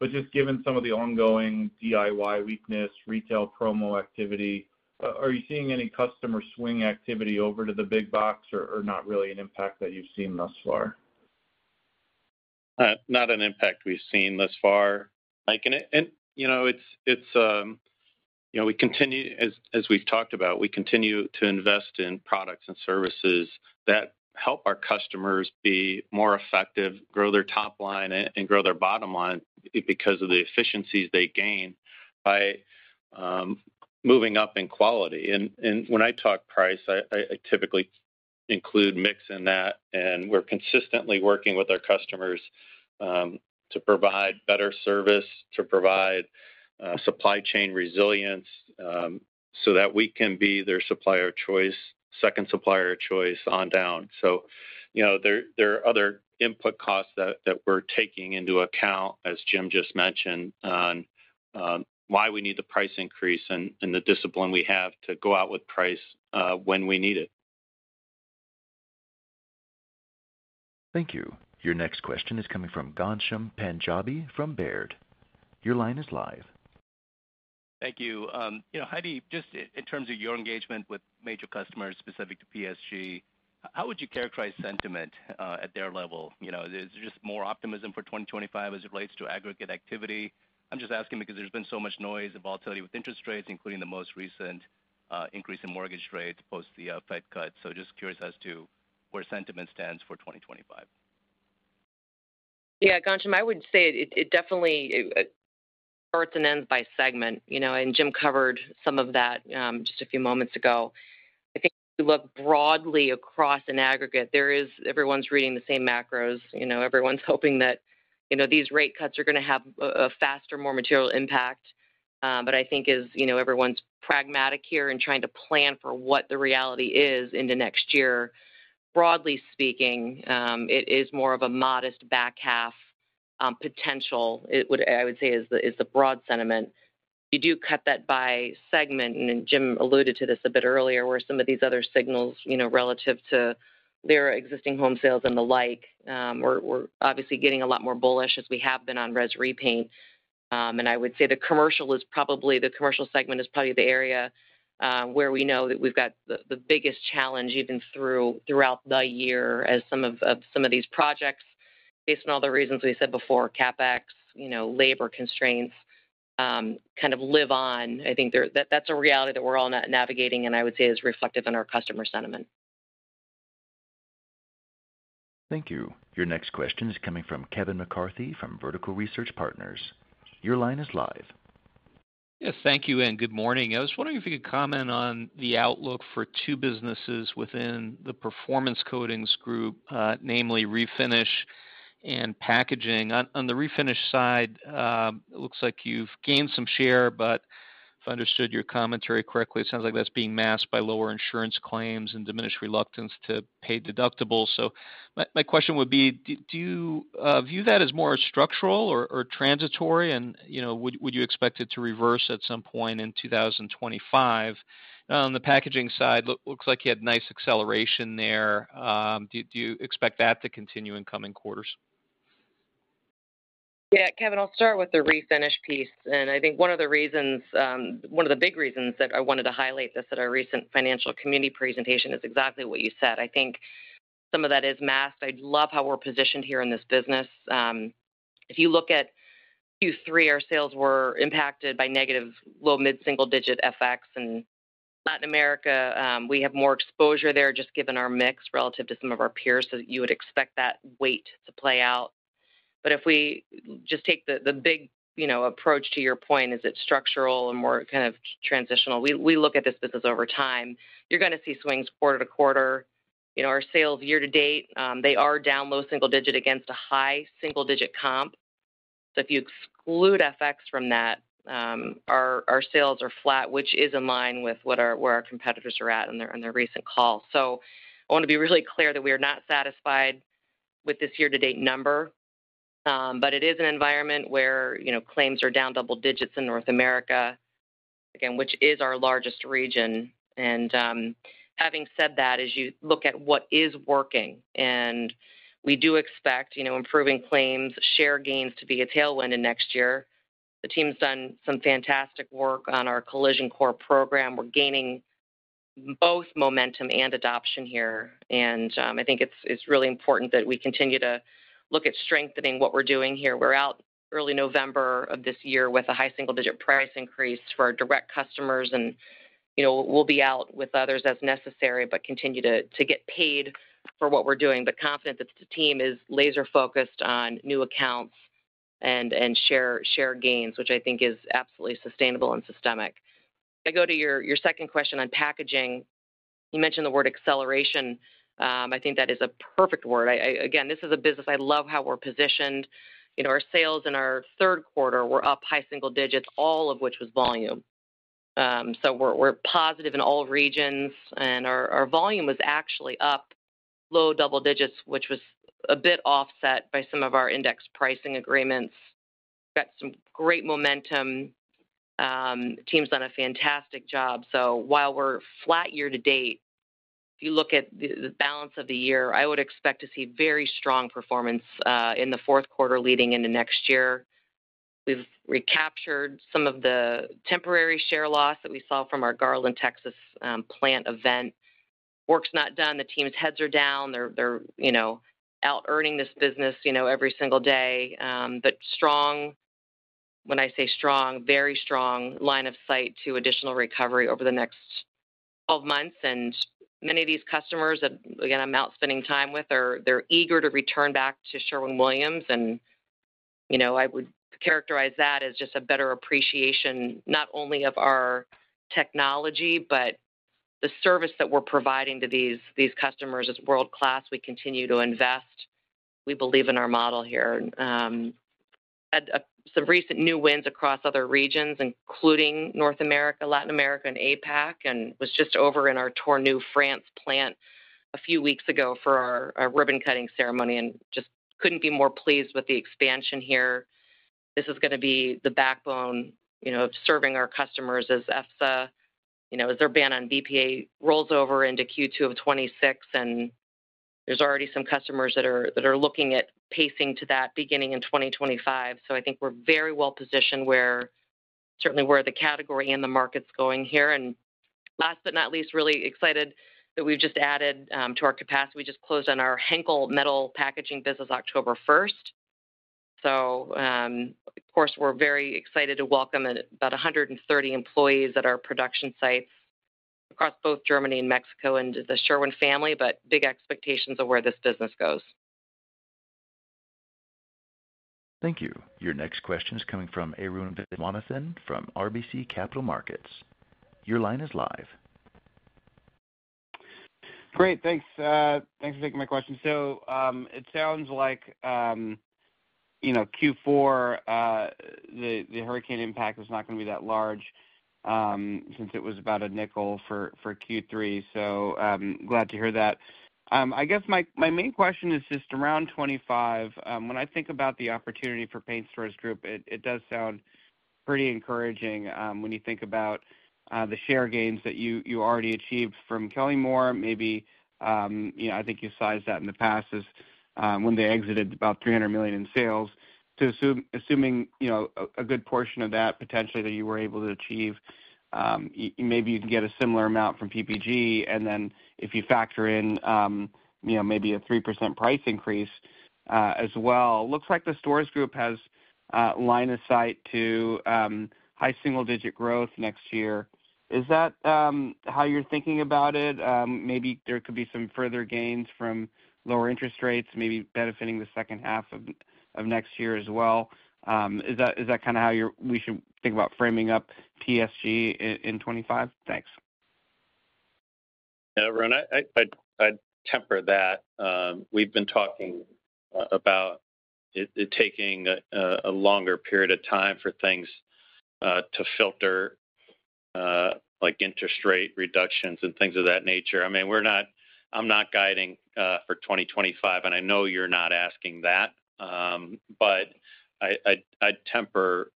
but just given some of the ongoing DIY weakness, retail promo activity, are you seeing any customer swing activity over to the big box or not really an impact that you've seen thus far? Not an impact we've seen thus far. Like, and it... And, you know, it's, it's, you know, we continue, as we've talked about, we continue to invest in products and services that help our customers be more effective, grow their top line and grow their bottom line because of the efficiencies they gain by moving up in quality. And when I talk price, I typically include mix in that, and we're consistently working with our customers to provide better service, to provide supply chain resilience, so that we can be their supplier of choice, second supplier of choice, on down. You know, there are other input costs that we're taking into account, as Jim just mentioned, on why we need the price increase and the discipline we have to go out with price when we need it. Thank you. Your next question is coming from Ghansham Panjabi from Baird. Your line is live. Thank you. You know, Heidi, just in terms of your engagement with major customers specific to PSG, how would you characterize sentiment at their level? You know, is there just more optimism for 2025 as it relates to aggregate activity? I'm just asking because there's been so much noise and volatility with interest rates, including the most recent increase in mortgage rates post the Fed cut. So just curious as to where sentiment stands for 2025. Yeah, Ghansham, I would say it definitely starts and ends by segment, you know, and Jim covered some of that just a few moments ago. I think if you look broadly across an aggregate, there is everyone's reading the same macros. You know, everyone's hoping that, you know, these rate cuts are gonna have a faster, more material impact. But I think as you know, everyone's pragmatic here and trying to plan for what the reality is in the next year. Broadly speaking, it is more of a modest back half potential. It would, I would say, is the broad sentiment. You do cut that by segment, and Jim alluded to this a bit earlier, where some of these other signals, you know, relative to their existing home sales and the like, we're obviously getting a lot more bullish as we have been on Res Repaint. And I would say the commercial is probably, the commercial segment is probably the area where we know that we've got the biggest challenge, even throughout the year as some of these projects. Based on all the reasons we said before, CapEx, you know, labor constraints, kind of live on. I think that's a reality that we're all navigating, and I would say is reflective in our customer sentiment. Thank you. Your next question is coming from Kevin McCarthy, from Vertical Research Partners. Your line is live. Yeah, thank you, and good morning. I was wondering if you could comment on the outlook for two businesses within the performance coatings group, namely refinish and packaging. On the refinish side, it looks like you've gained some share, but if I understood your commentary correctly, it sounds like that's being masked by lower insurance claims and diminished reluctance to pay deductibles. So my question would be: Do you view that as more structural or transitory, and you know, would you expect it to reverse at some point in 2025? On the packaging side, looks like you had nice acceleration there. Do you expect that to continue in coming quarters? Yeah, Kevin, I'll start with the refinish piece, and I think one of the reasons, one of the big reasons that I wanted to highlight this at our recent financial community presentation is exactly what you said. I think some of that is masked. I love how we're positioned here in this business. If you look at Q3, our sales were impacted by negative low- to mid-single-digit FX. In Latin America, we have more exposure there, just given our mix relative to some of our peers, so you would expect that weight to play out. But if we just take the big, you know, approach to your point, is it structural or more kind of transitional? We look at this business over time. You're gonna see swings quarter to quarter. You know, our sales year to date, they are down low single digit against a high single digit comp. So if you exclude FX from that, our sales are flat, which is in line with what our competitors are at on their recent call. So I want to be really clear that we are not satisfied with this year-to-date number, but it is an environment where, you know, claims are down double digits in North America, again, which is our largest region. And, having said that, as you look at what is working, and we do expect, you know, improving claims, share gains to be a tailwind in next year. The team's done some fantastic work on our Collision Core program. We're gaining both momentum and adoption here, and I think it's, it's really important that we continue to look at strengthening what we're doing here. We're out early November of this year with a high single-digit price increase for our direct customers, and, you know, we'll be out with others as necessary, but continue to get paid for what we're doing. But confident that the team is laser focused on new accounts and share gains, which I think is absolutely sustainable and systemic. I go to your second question on packaging. You mentioned the word acceleration. I think that is a perfect word. Again, this is a business I love how we're positioned. You know, our sales in our third quarter were up high single digits, all of which was volume. So we're positive in all regions, and our volume was actually up low double digits, which was a bit offset by some of our index pricing agreements. Got some great momentum. The team's done a fantastic job. While we're flat year to date, if you look at the balance of the year, I would expect to see very strong performance in the fourth quarter leading into next year. We've recaptured some of the temporary share loss that we saw from our Garland, Texas, plant event. Work's not done. The team's heads are down. They're, you know, out earning this business, you know, every single day. But strong, when I say strong, very strong line of sight to additional recovery over the next twelve months. And many of these customers that, again, I'm out spending time with, are they're eager to return back to Sherwin-Williams. And, you know, I would characterize that as just a better appreciation, not only of our technology, but the service that we're providing to these customers is world-class. We continue to invest. We believe in our model here. Had some recent new wins across other regions, including North America, Latin America, and APAC, and was just over in our Tournus, France, plant a few weeks ago for our ribbon cutting ceremony, and just couldn't be more pleased with the expansion here. This is gonna be the backbone, you know, of serving our customers as EFSA, you know, as their ban on BPA rolls over into Q2 of 2026, and there's already some customers that are looking at pacing to that beginning in 2025. So I think we're very well positioned, where certainly the category and the market's going here. And last but not least, really excited that we've just added to our capacity. We just closed on our Henkel metal packaging business October first. So, of course, we're very excited to welcome about 130 employees at our production sites across both Germany and Mexico into the Sherwin family, but big expectations of where this business goes. Thank you. Your next question is coming from Arun Viswanathan, from RBC Capital Markets. Your line is live. Great. Thanks. Thanks for taking my question. So, it sounds like, you know, Q4, the hurricane impact is not gonna be that large, since it was about $0.05 for Q3, so, glad to hear that. I guess my main question is just around 2025. When I think about the opportunity for Paint Stores Group, it does sound pretty encouraging, when you think about the share gains that you already achieved from Kelly-Moore, maybe, you know, I think you sized that in the past as, when they exited about 300 million in sales. Assuming, you know, a good portion of that potentially that you were able to achieve, maybe you can get a similar amount from PPG, and then if you factor in, you know, maybe a 3% price increase, as well. Looks like the stores group has a line of sight to high single-digit growth next year. Is that how you're thinking about it? Maybe there could be some further gains from lower interest rates, maybe benefiting the second half of next year as well. Is that kinda how we should think about framing up PSG in 2025? Thanks. Yeah, Arun, I'd temper that. We've been talking about it taking a longer period of time for things to filter, like interest rate reductions and things of that nature. I mean, I'm not guiding for 2025, and I know you're not asking that, but I'd temper.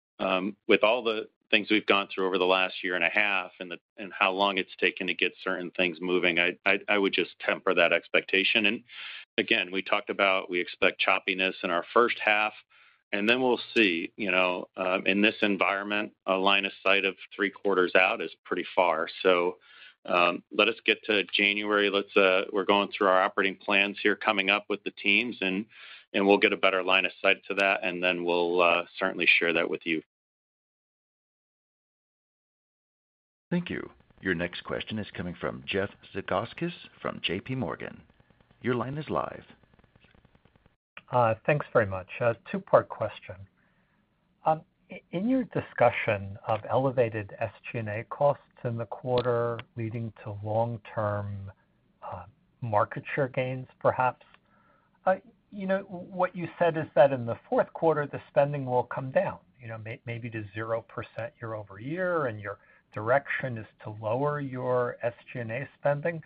With all the things we've gone through over the last year and a half and how long it's taken to get certain things moving, I would just temper that expectation. And again, we talked about. We expect choppiness in our first half, and then we'll see. You know, in this environment, a line of sight of three quarters out is pretty far. So, let us get to January. Let's, we're going through our operating plans here, coming up with the teams, and we'll get a better line of sight to that, and then we'll certainly share that with you. .Thank you. Your next question is coming from Jeff Zekauskas from JP Morgan. Your line is live. Thanks very much. A two-part question. In your discussion of elevated SG&A costs in the quarter leading to long-term market share gains, perhaps, you know, what you said is that in the fourth quarter, the spending will come down, you know, maybe to 0% year-over-year, and your direction is to lower your SG&A spending.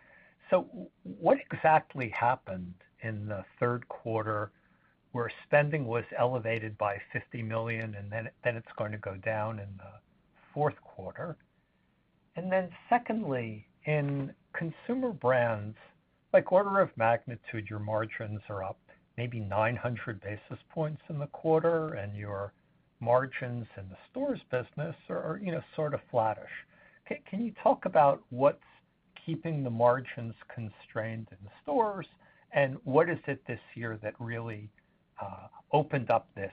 So what exactly happened in the third quarter, where spending was elevated by $50 million, and then it's going to go down in the fourth quarter? And then secondly, in Consumer Brands, by order of magnitude, your margins are up maybe 900 basis points in the quarter, and your margins in the stores business are, you know, sort of flattish. Can you talk about what's keeping the margins constrained in the stores, and what is it this year that really opened up this,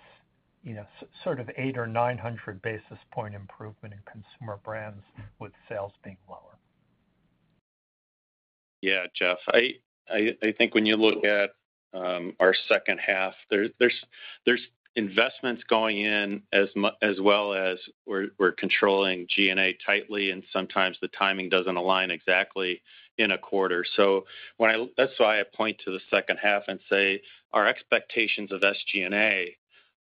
you know, sort of eight or nine hundred basis point improvement in Consumer Brands with sales being lower? Yeah, Jeff, I think when you look at our second half, there's investments going in as well as we're controlling G&A tightly, and sometimes the timing doesn't align exactly in a quarter. So when I... That's why I point to the second half and say, our expectations of SG&A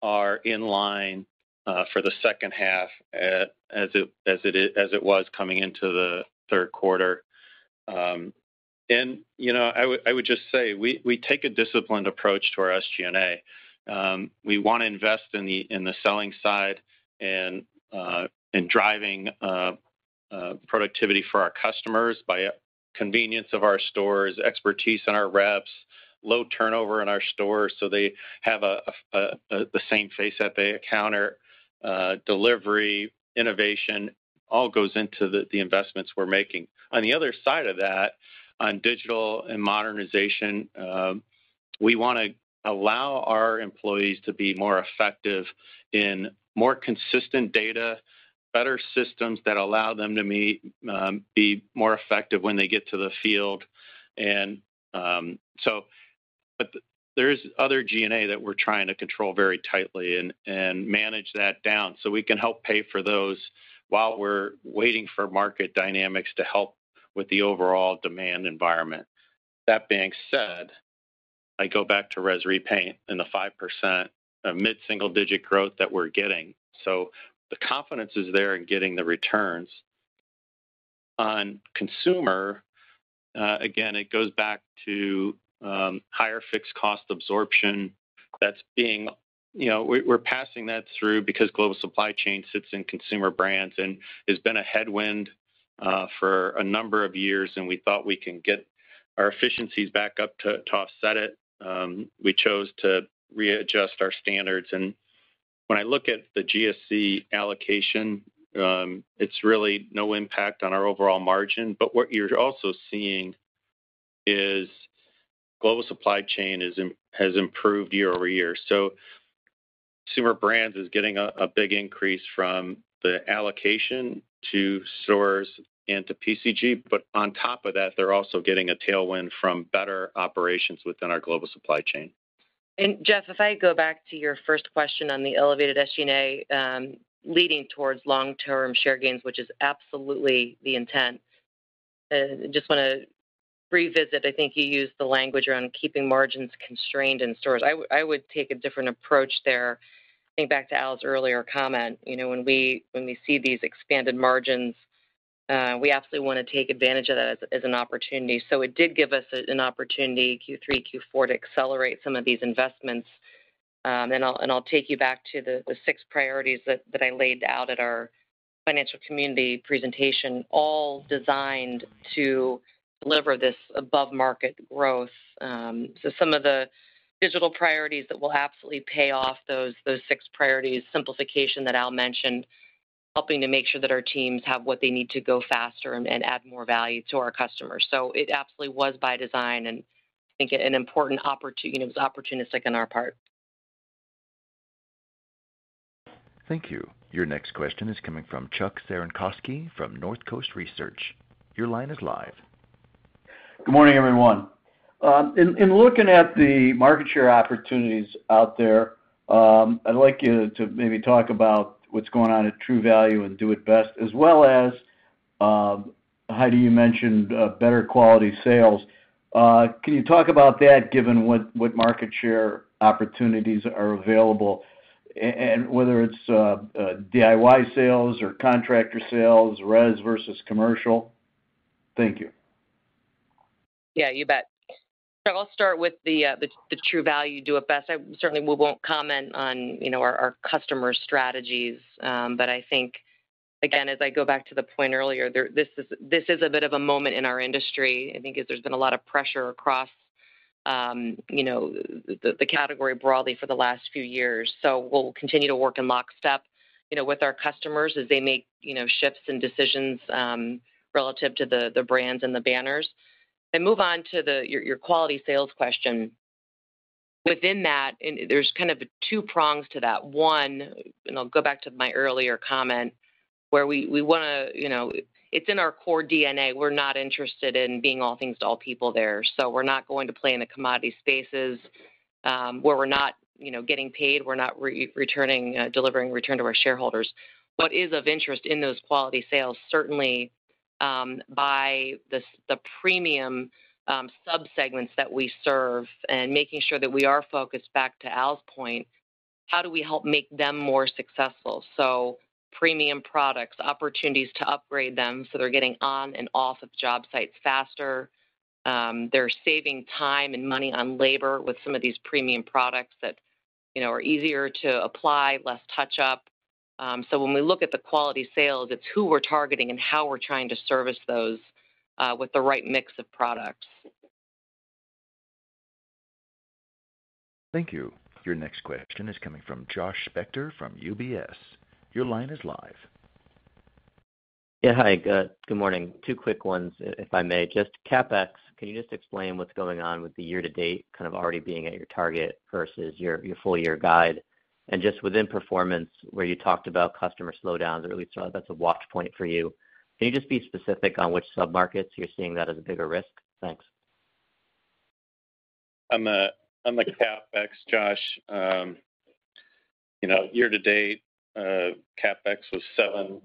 are in line for the second half as it was coming into the third quarter. And, you know, I would just say, we take a disciplined approach to our SG&A. We wanna invest in the selling side and in driving productivity for our customers by convenience of our stores, expertise in our reps, low turnover in our stores, so they have the same face at the counter. Delivery, innovation, all goes into the investments we're making. On the other side of that, on digital and modernization, we wanna allow our employees to be more effective in more consistent data, better systems that allow them to meet, be more effective when they get to the field. But there is other G&A that we're trying to control very tightly and manage that down so we can help pay for those while we're waiting for market dynamics to help with the overall demand environment. That being said, I go back to Res Repaint and the 5%, mid-single-digit growth that we're getting. So the confidence is there in getting the returns. On consumer, again, it goes back to higher fixed cost absorption that's being... You know, we're passing that through because global supply chain sits in Consumer Brands, and it's been a headwind for a number of years, and we thought we can get our efficiencies back up to offset it. We chose to readjust our standards, and when I look at the GSC allocation, it's really no impact on our overall margin. But what you're also seeing is global supply chain has improved year-over-year. So Consumer Brands is getting a big increase from the allocation to stores and to PCG, but on top of that, they're also getting a tailwind from better operations within our global supply chain. Jeff, if I go back to your first question on the elevated SG&A, leading towards long-term share gains, which is absolutely the intent. Just wanna revisit, I think you used the language around keeping margins constrained in stores. I would take a different approach there. Think back to Al's earlier comment. You know, when we see these expanded margins, we absolutely wanna take advantage of that as an opportunity. So it did give us an opportunity, Q3, Q4, to accelerate some of these investments. And I'll take you back to the six priorities that I laid out at our financial community presentation, all designed to deliver this above-market growth. So some of the digital priorities that will absolutely pay off those six priorities, simplification that Al mentioned, helping to make sure that our teams have what they need to go faster and add more value to our customers. So it absolutely was by design, and I think it was opportunistic on our part. Thank you. Your next question is coming from Chuck Cerankosky from North Coast Research. Your line is live. Good morning, everyone. In looking at the market share opportunities out there, I'd like you to maybe talk about what's going on at True Value and Do it Best, as well as, Heidi, you mentioned better quality sales. Can you talk about that, given what market share opportunities are available, and whether it's DIY sales or contractor sales, res versus commercial? Thank you. Yeah, you bet. So I'll start with the True Value, Do it Best. I certainly won't comment on, you know, our customer strategies, but I think, again, as I go back to the point earlier, there, this is a bit of a moment in our industry, I think, 'cause there's been a lot of pressure across, you know, the category broadly for the last few years. So we'll continue to work in lockstep, you know, with our customers as they make, you know, shifts and decisions relative to the brands and the banners. And move on to your quality sales question... Within that, and there's kind of two prongs to that. One, and I'll go back to my earlier comment, where we wanna, you know, it's in our core DNA. We're not interested in being all things to all people there. So we're not going to play in the commodity spaces, where we're not, you know, getting paid, we're not returning, delivering return to our shareholders. What is of interest in those quality sales, certainly, by the premium subsegments that we serve and making sure that we are focused back to Al's point, how do we help make them more successful? Premium products, opportunities to upgrade them, so they're getting on and off of job sites faster. They're saving time and money on labor with some of these premium products that, you know, are easier to apply, less touch-up. So when we look at the quality sales, it's who we're targeting and how we're trying to service those with the right mix of products. Thank you. Your next question is coming from Josh Spector from UBS. Your line is live. Yeah, hi. Good morning. Two quick ones, if I may. Just CapEx, can you just explain what's going on with the year-to-date, kind of, already being at your target versus your full-year guide? And just within performance, where you talked about customer slowdowns, or at least that's a watch point for you, can you just be specific on which submarkets you're seeing that as a bigger risk? Thanks. On the CapEx, Josh, you know, year-to-date, CapEx was $770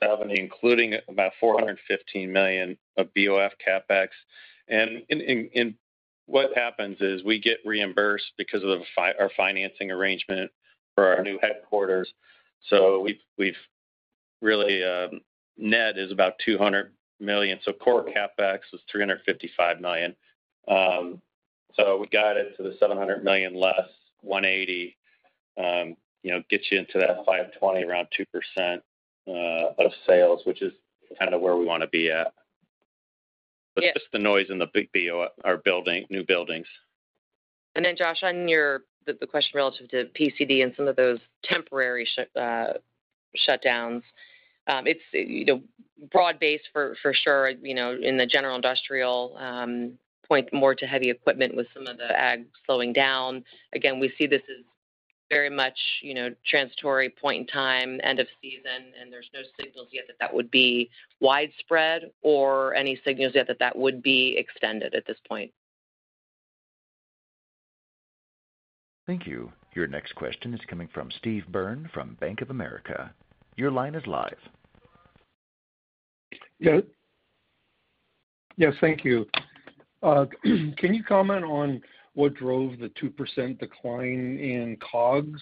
million, including about $415 million of BOF CapEx. And what happens is we get reimbursed because of our financing arrangement for our new headquarters. So we've really, net is about $200 million. So core CapEx was $355 million. So we got it to the $700 million less $180 million, you know, gets you into that $520 million, around 2% of sales, which is kind of where we wanna be at. Yeah. It's just the noise in the big BOF, our building new buildings. And then, Josh, on your question relative to PCG and some of those temporary shutdowns. It's, you know, broad-based for sure, you know, in the general industrial, pointing more to heavy equipment with some of the ag slowing down. Again, we see this as very much, you know, transitory point in time, end of season, and there's no signals yet that that would be widespread or any signals yet that that would be extended at this point. Thank you. Your next question is coming from Steve Byrne from Bank of America. Your line is live. Yeah. Yes, thank you. Can you comment on what drove the 2% decline in COGS?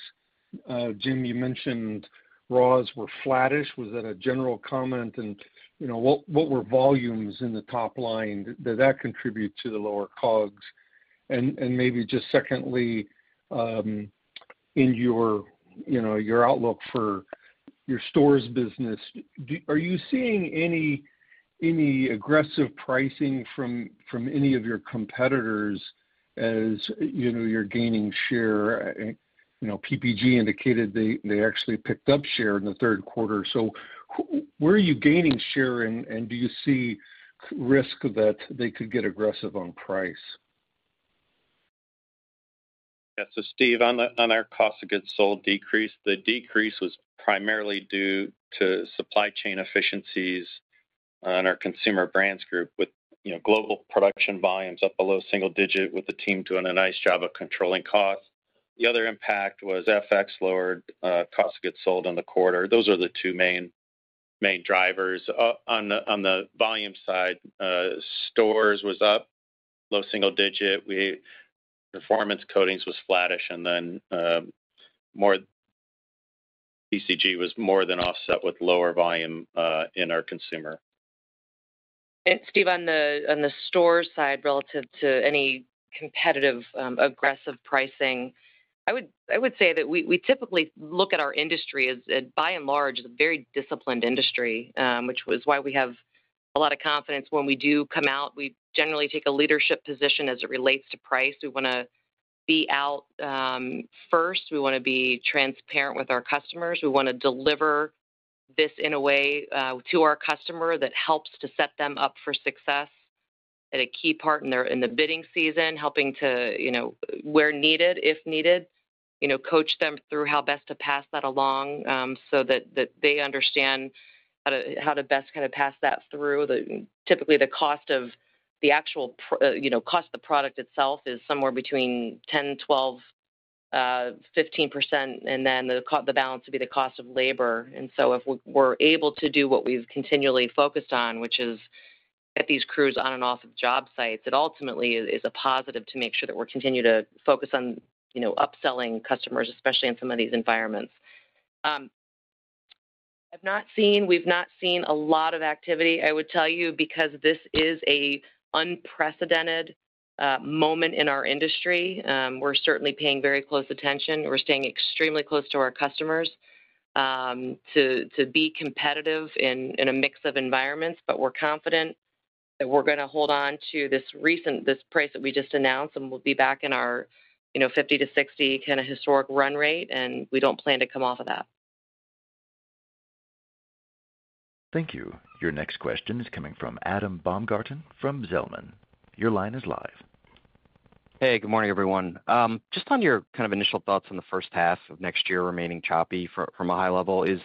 Jim, you mentioned raws were flattish. Was that a general comment? And, you know, what were volumes in the top line? Did that contribute to the lower COGS? And maybe just secondly, in your, you know, your outlook for your stores business, are you seeing any, any aggressive pricing from, from any of your competitors as, you know, you're gaining share? You know, PPG indicated they, they actually picked up share in the third quarter. So where are you gaining share, and, and do you see risk that they could get aggressive on price? Yeah. So, Steve, on our cost of goods sold decrease, the decrease was primarily due to supply chain efficiencies on our Consumer Brands Group with, you know, global production volumes up below single digit, with the team doing a nice job of controlling costs. The other impact was FX lowered cost of goods sold on the quarter. Those are the two main drivers. On the volume side, stores was up, low single digit. Performance Coatings was flattish, and then, PCG was more than offset with lower volume in our consumer. Steve, on the store side, relative to any competitive aggressive pricing, I would say that we typically look at our industry as by and large a very disciplined industry, which was why we have a lot of confidence. When we do come out, we generally take a leadership position as it relates to price. We wanna be out first. We wanna be transparent with our customers. We wanna deliver this in a way to our customer that helps to set them up for success at a key part in their bidding season, helping to, you know, where needed, if needed, you know, coach them through how best to pass that along, so that they understand how to best kind of pass that through. Typically, the cost of the actual pr... You know, cost of the product itself is somewhere between 10, 12, 15%, and then the balance would be the cost of labor. And so if we're able to do what we've continually focused on, which is get these crews on and off of job sites, it ultimately is a positive to make sure that we're continuing to focus on, you know, upselling customers, especially in some of these environments. I've not seen—we've not seen a lot of activity, I would tell you, because this is an unprecedented moment in our industry. We're certainly paying very close attention. We're staying extremely close to our customers, to be competitive in a mix of environments, but we're confident that we're gonna hold on to this price that we just announced, and we'll be back in our, you know, 50-60 kind of historic run rate, and we don't plan to come off of that. .Thank you. Your next question is coming from Adam Baumgarten from Zelman. Your line is live. Hey, good morning, everyone. Just on your kind of initial thoughts on the first half of next year remaining choppy from a high level, is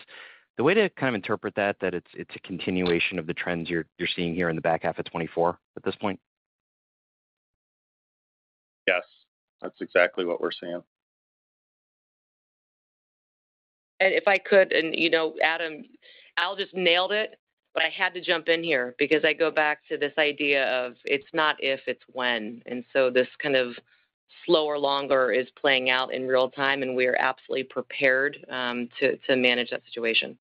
the way to kind of interpret that, that it's a continuation of the trends you're seeing here in the back half of 2024 at this point? Yes, that's exactly what we're seeing. If I could, you know, Adam, Al just nailed it, but I had to jump in here because I go back to this idea of it's not if, it's when. So this kind of slower, longer is playing out in real time, and we are absolutely prepared to manage that situation.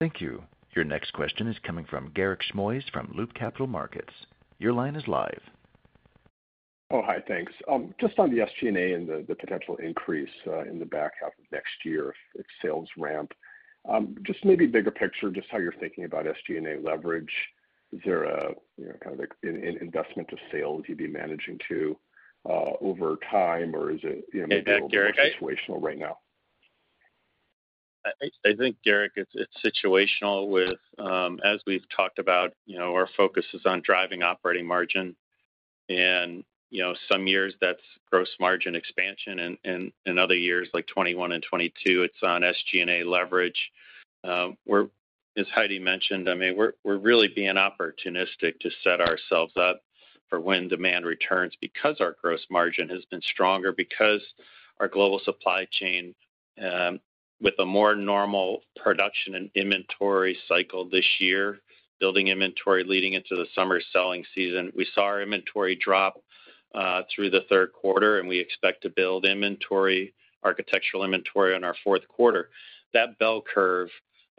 Thank you. Your next question is coming from Garik Shmois from Loop Capital Markets. Your line is live. Oh, hi, thanks. Just on the SG&A and the potential increase in the back half of next year, its sales ramp. Just maybe bigger picture, just how you're thinking about SG&A leverage. Is there a, you know, kind of like an investment to sales you'd be managing to, over time? Or is it, you know- Hey, Garrik situational right now? I think, Garik, it's situational with... As we've talked about, you know, our focus is on driving operating margin and, you know, some years that's gross margin expansion, and in other years, like 2021 and 2022, it's on SG&A leverage. We're, as Heidi mentioned, I mean, we're really being opportunistic to set ourselves up for when demand returns because our gross margin has been stronger, because our global supply chain with a more normal production and inventory cycle this year, building inventory leading into the summer selling season. We saw our inventory drop through the third quarter, and we expect to build inventory, architectural inventory, in our fourth quarter. That bell curve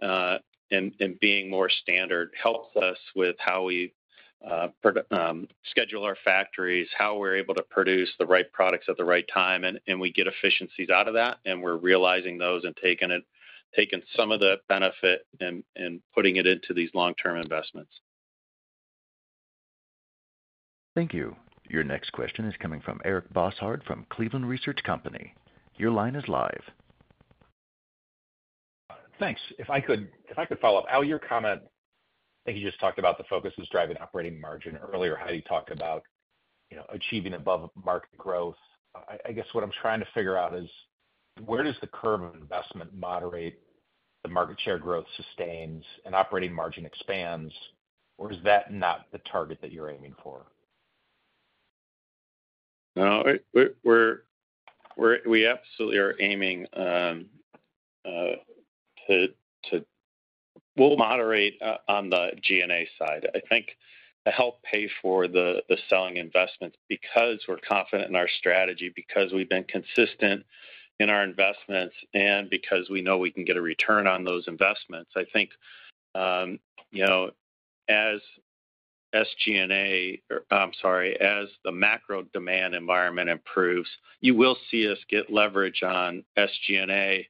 and being more standard helps us with how we schedule our factories, how we're able to produce the right products at the right time, and we get efficiencies out of that, and we're realizing those and taking some of the benefit and putting it into these long-term investments. Thank you. Your next question is coming from Eric Bosshard from Cleveland Research Company. Your line is live. Thanks. If I could follow up. Al, your comment, I think you just talked about the focus is driving operating margin. Earlier, Heidi talked about, you know, achieving above-market growth. I guess what I'm trying to figure out is where does the curve of investment moderate, the market share growth sustains and operating margin expands, or is that not the target that you're aiming for? No, we absolutely are aiming to... We'll moderate on the G&A side. I think to help pay for the selling investments, because we're confident in our strategy, because we've been consistent in our investments, and because we know we can get a return on those investments. I think, you know, as SG&A, or I'm sorry, as the macro demand environment improves, you will see us get leverage on SG&A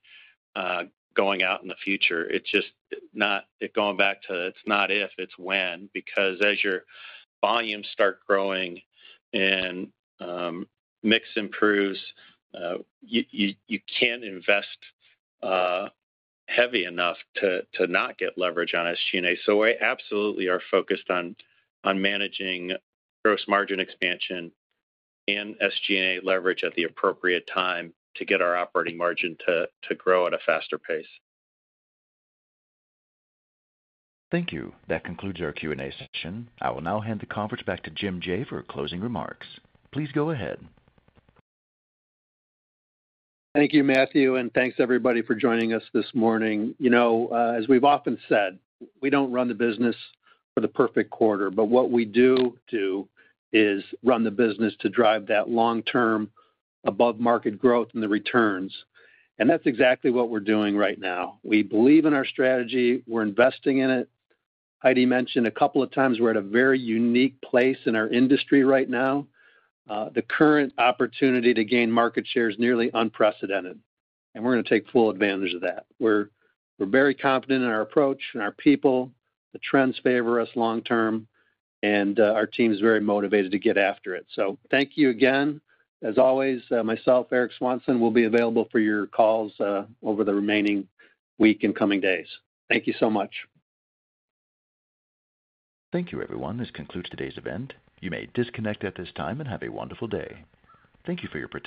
going out in the future. It's just not - going back to, it's not if, it's when. Because as your volumes start growing and mix improves, you can't invest heavy enough to not get leverage on SG&A. So we absolutely are focused on managing gross margin expansion and SG&A leverage at the appropriate time to get our operating margin to grow at a faster pace. Thank you. That concludes our Q&A session. I will now hand the conference back to Jim Jaye for closing remarks. Please go ahead. Thank you, Matthew, and thanks everybody for joining us this morning. You know, as we've often said, we don't run the business for the perfect quarter, but what we do do is run the business to drive that long-term above market growth and the returns, and that's exactly what we're doing right now. We believe in our strategy. We're investing in it. Heidi mentioned a couple of times we're at a very unique place in our industry right now. The current opportunity to gain market share is nearly unprecedented, and we're going to take full advantage of that. We're very confident in our approach and our people. The trends favor us long term, and our team is very motivated to get after it, so thank you again. As always, myself, Eric Swanson, will be available for your calls, over the remaining week and coming days. Thank you so much. Thank you, everyone. This concludes today's event. You may disconnect at this time and have a wonderful day. Thank you for your participation.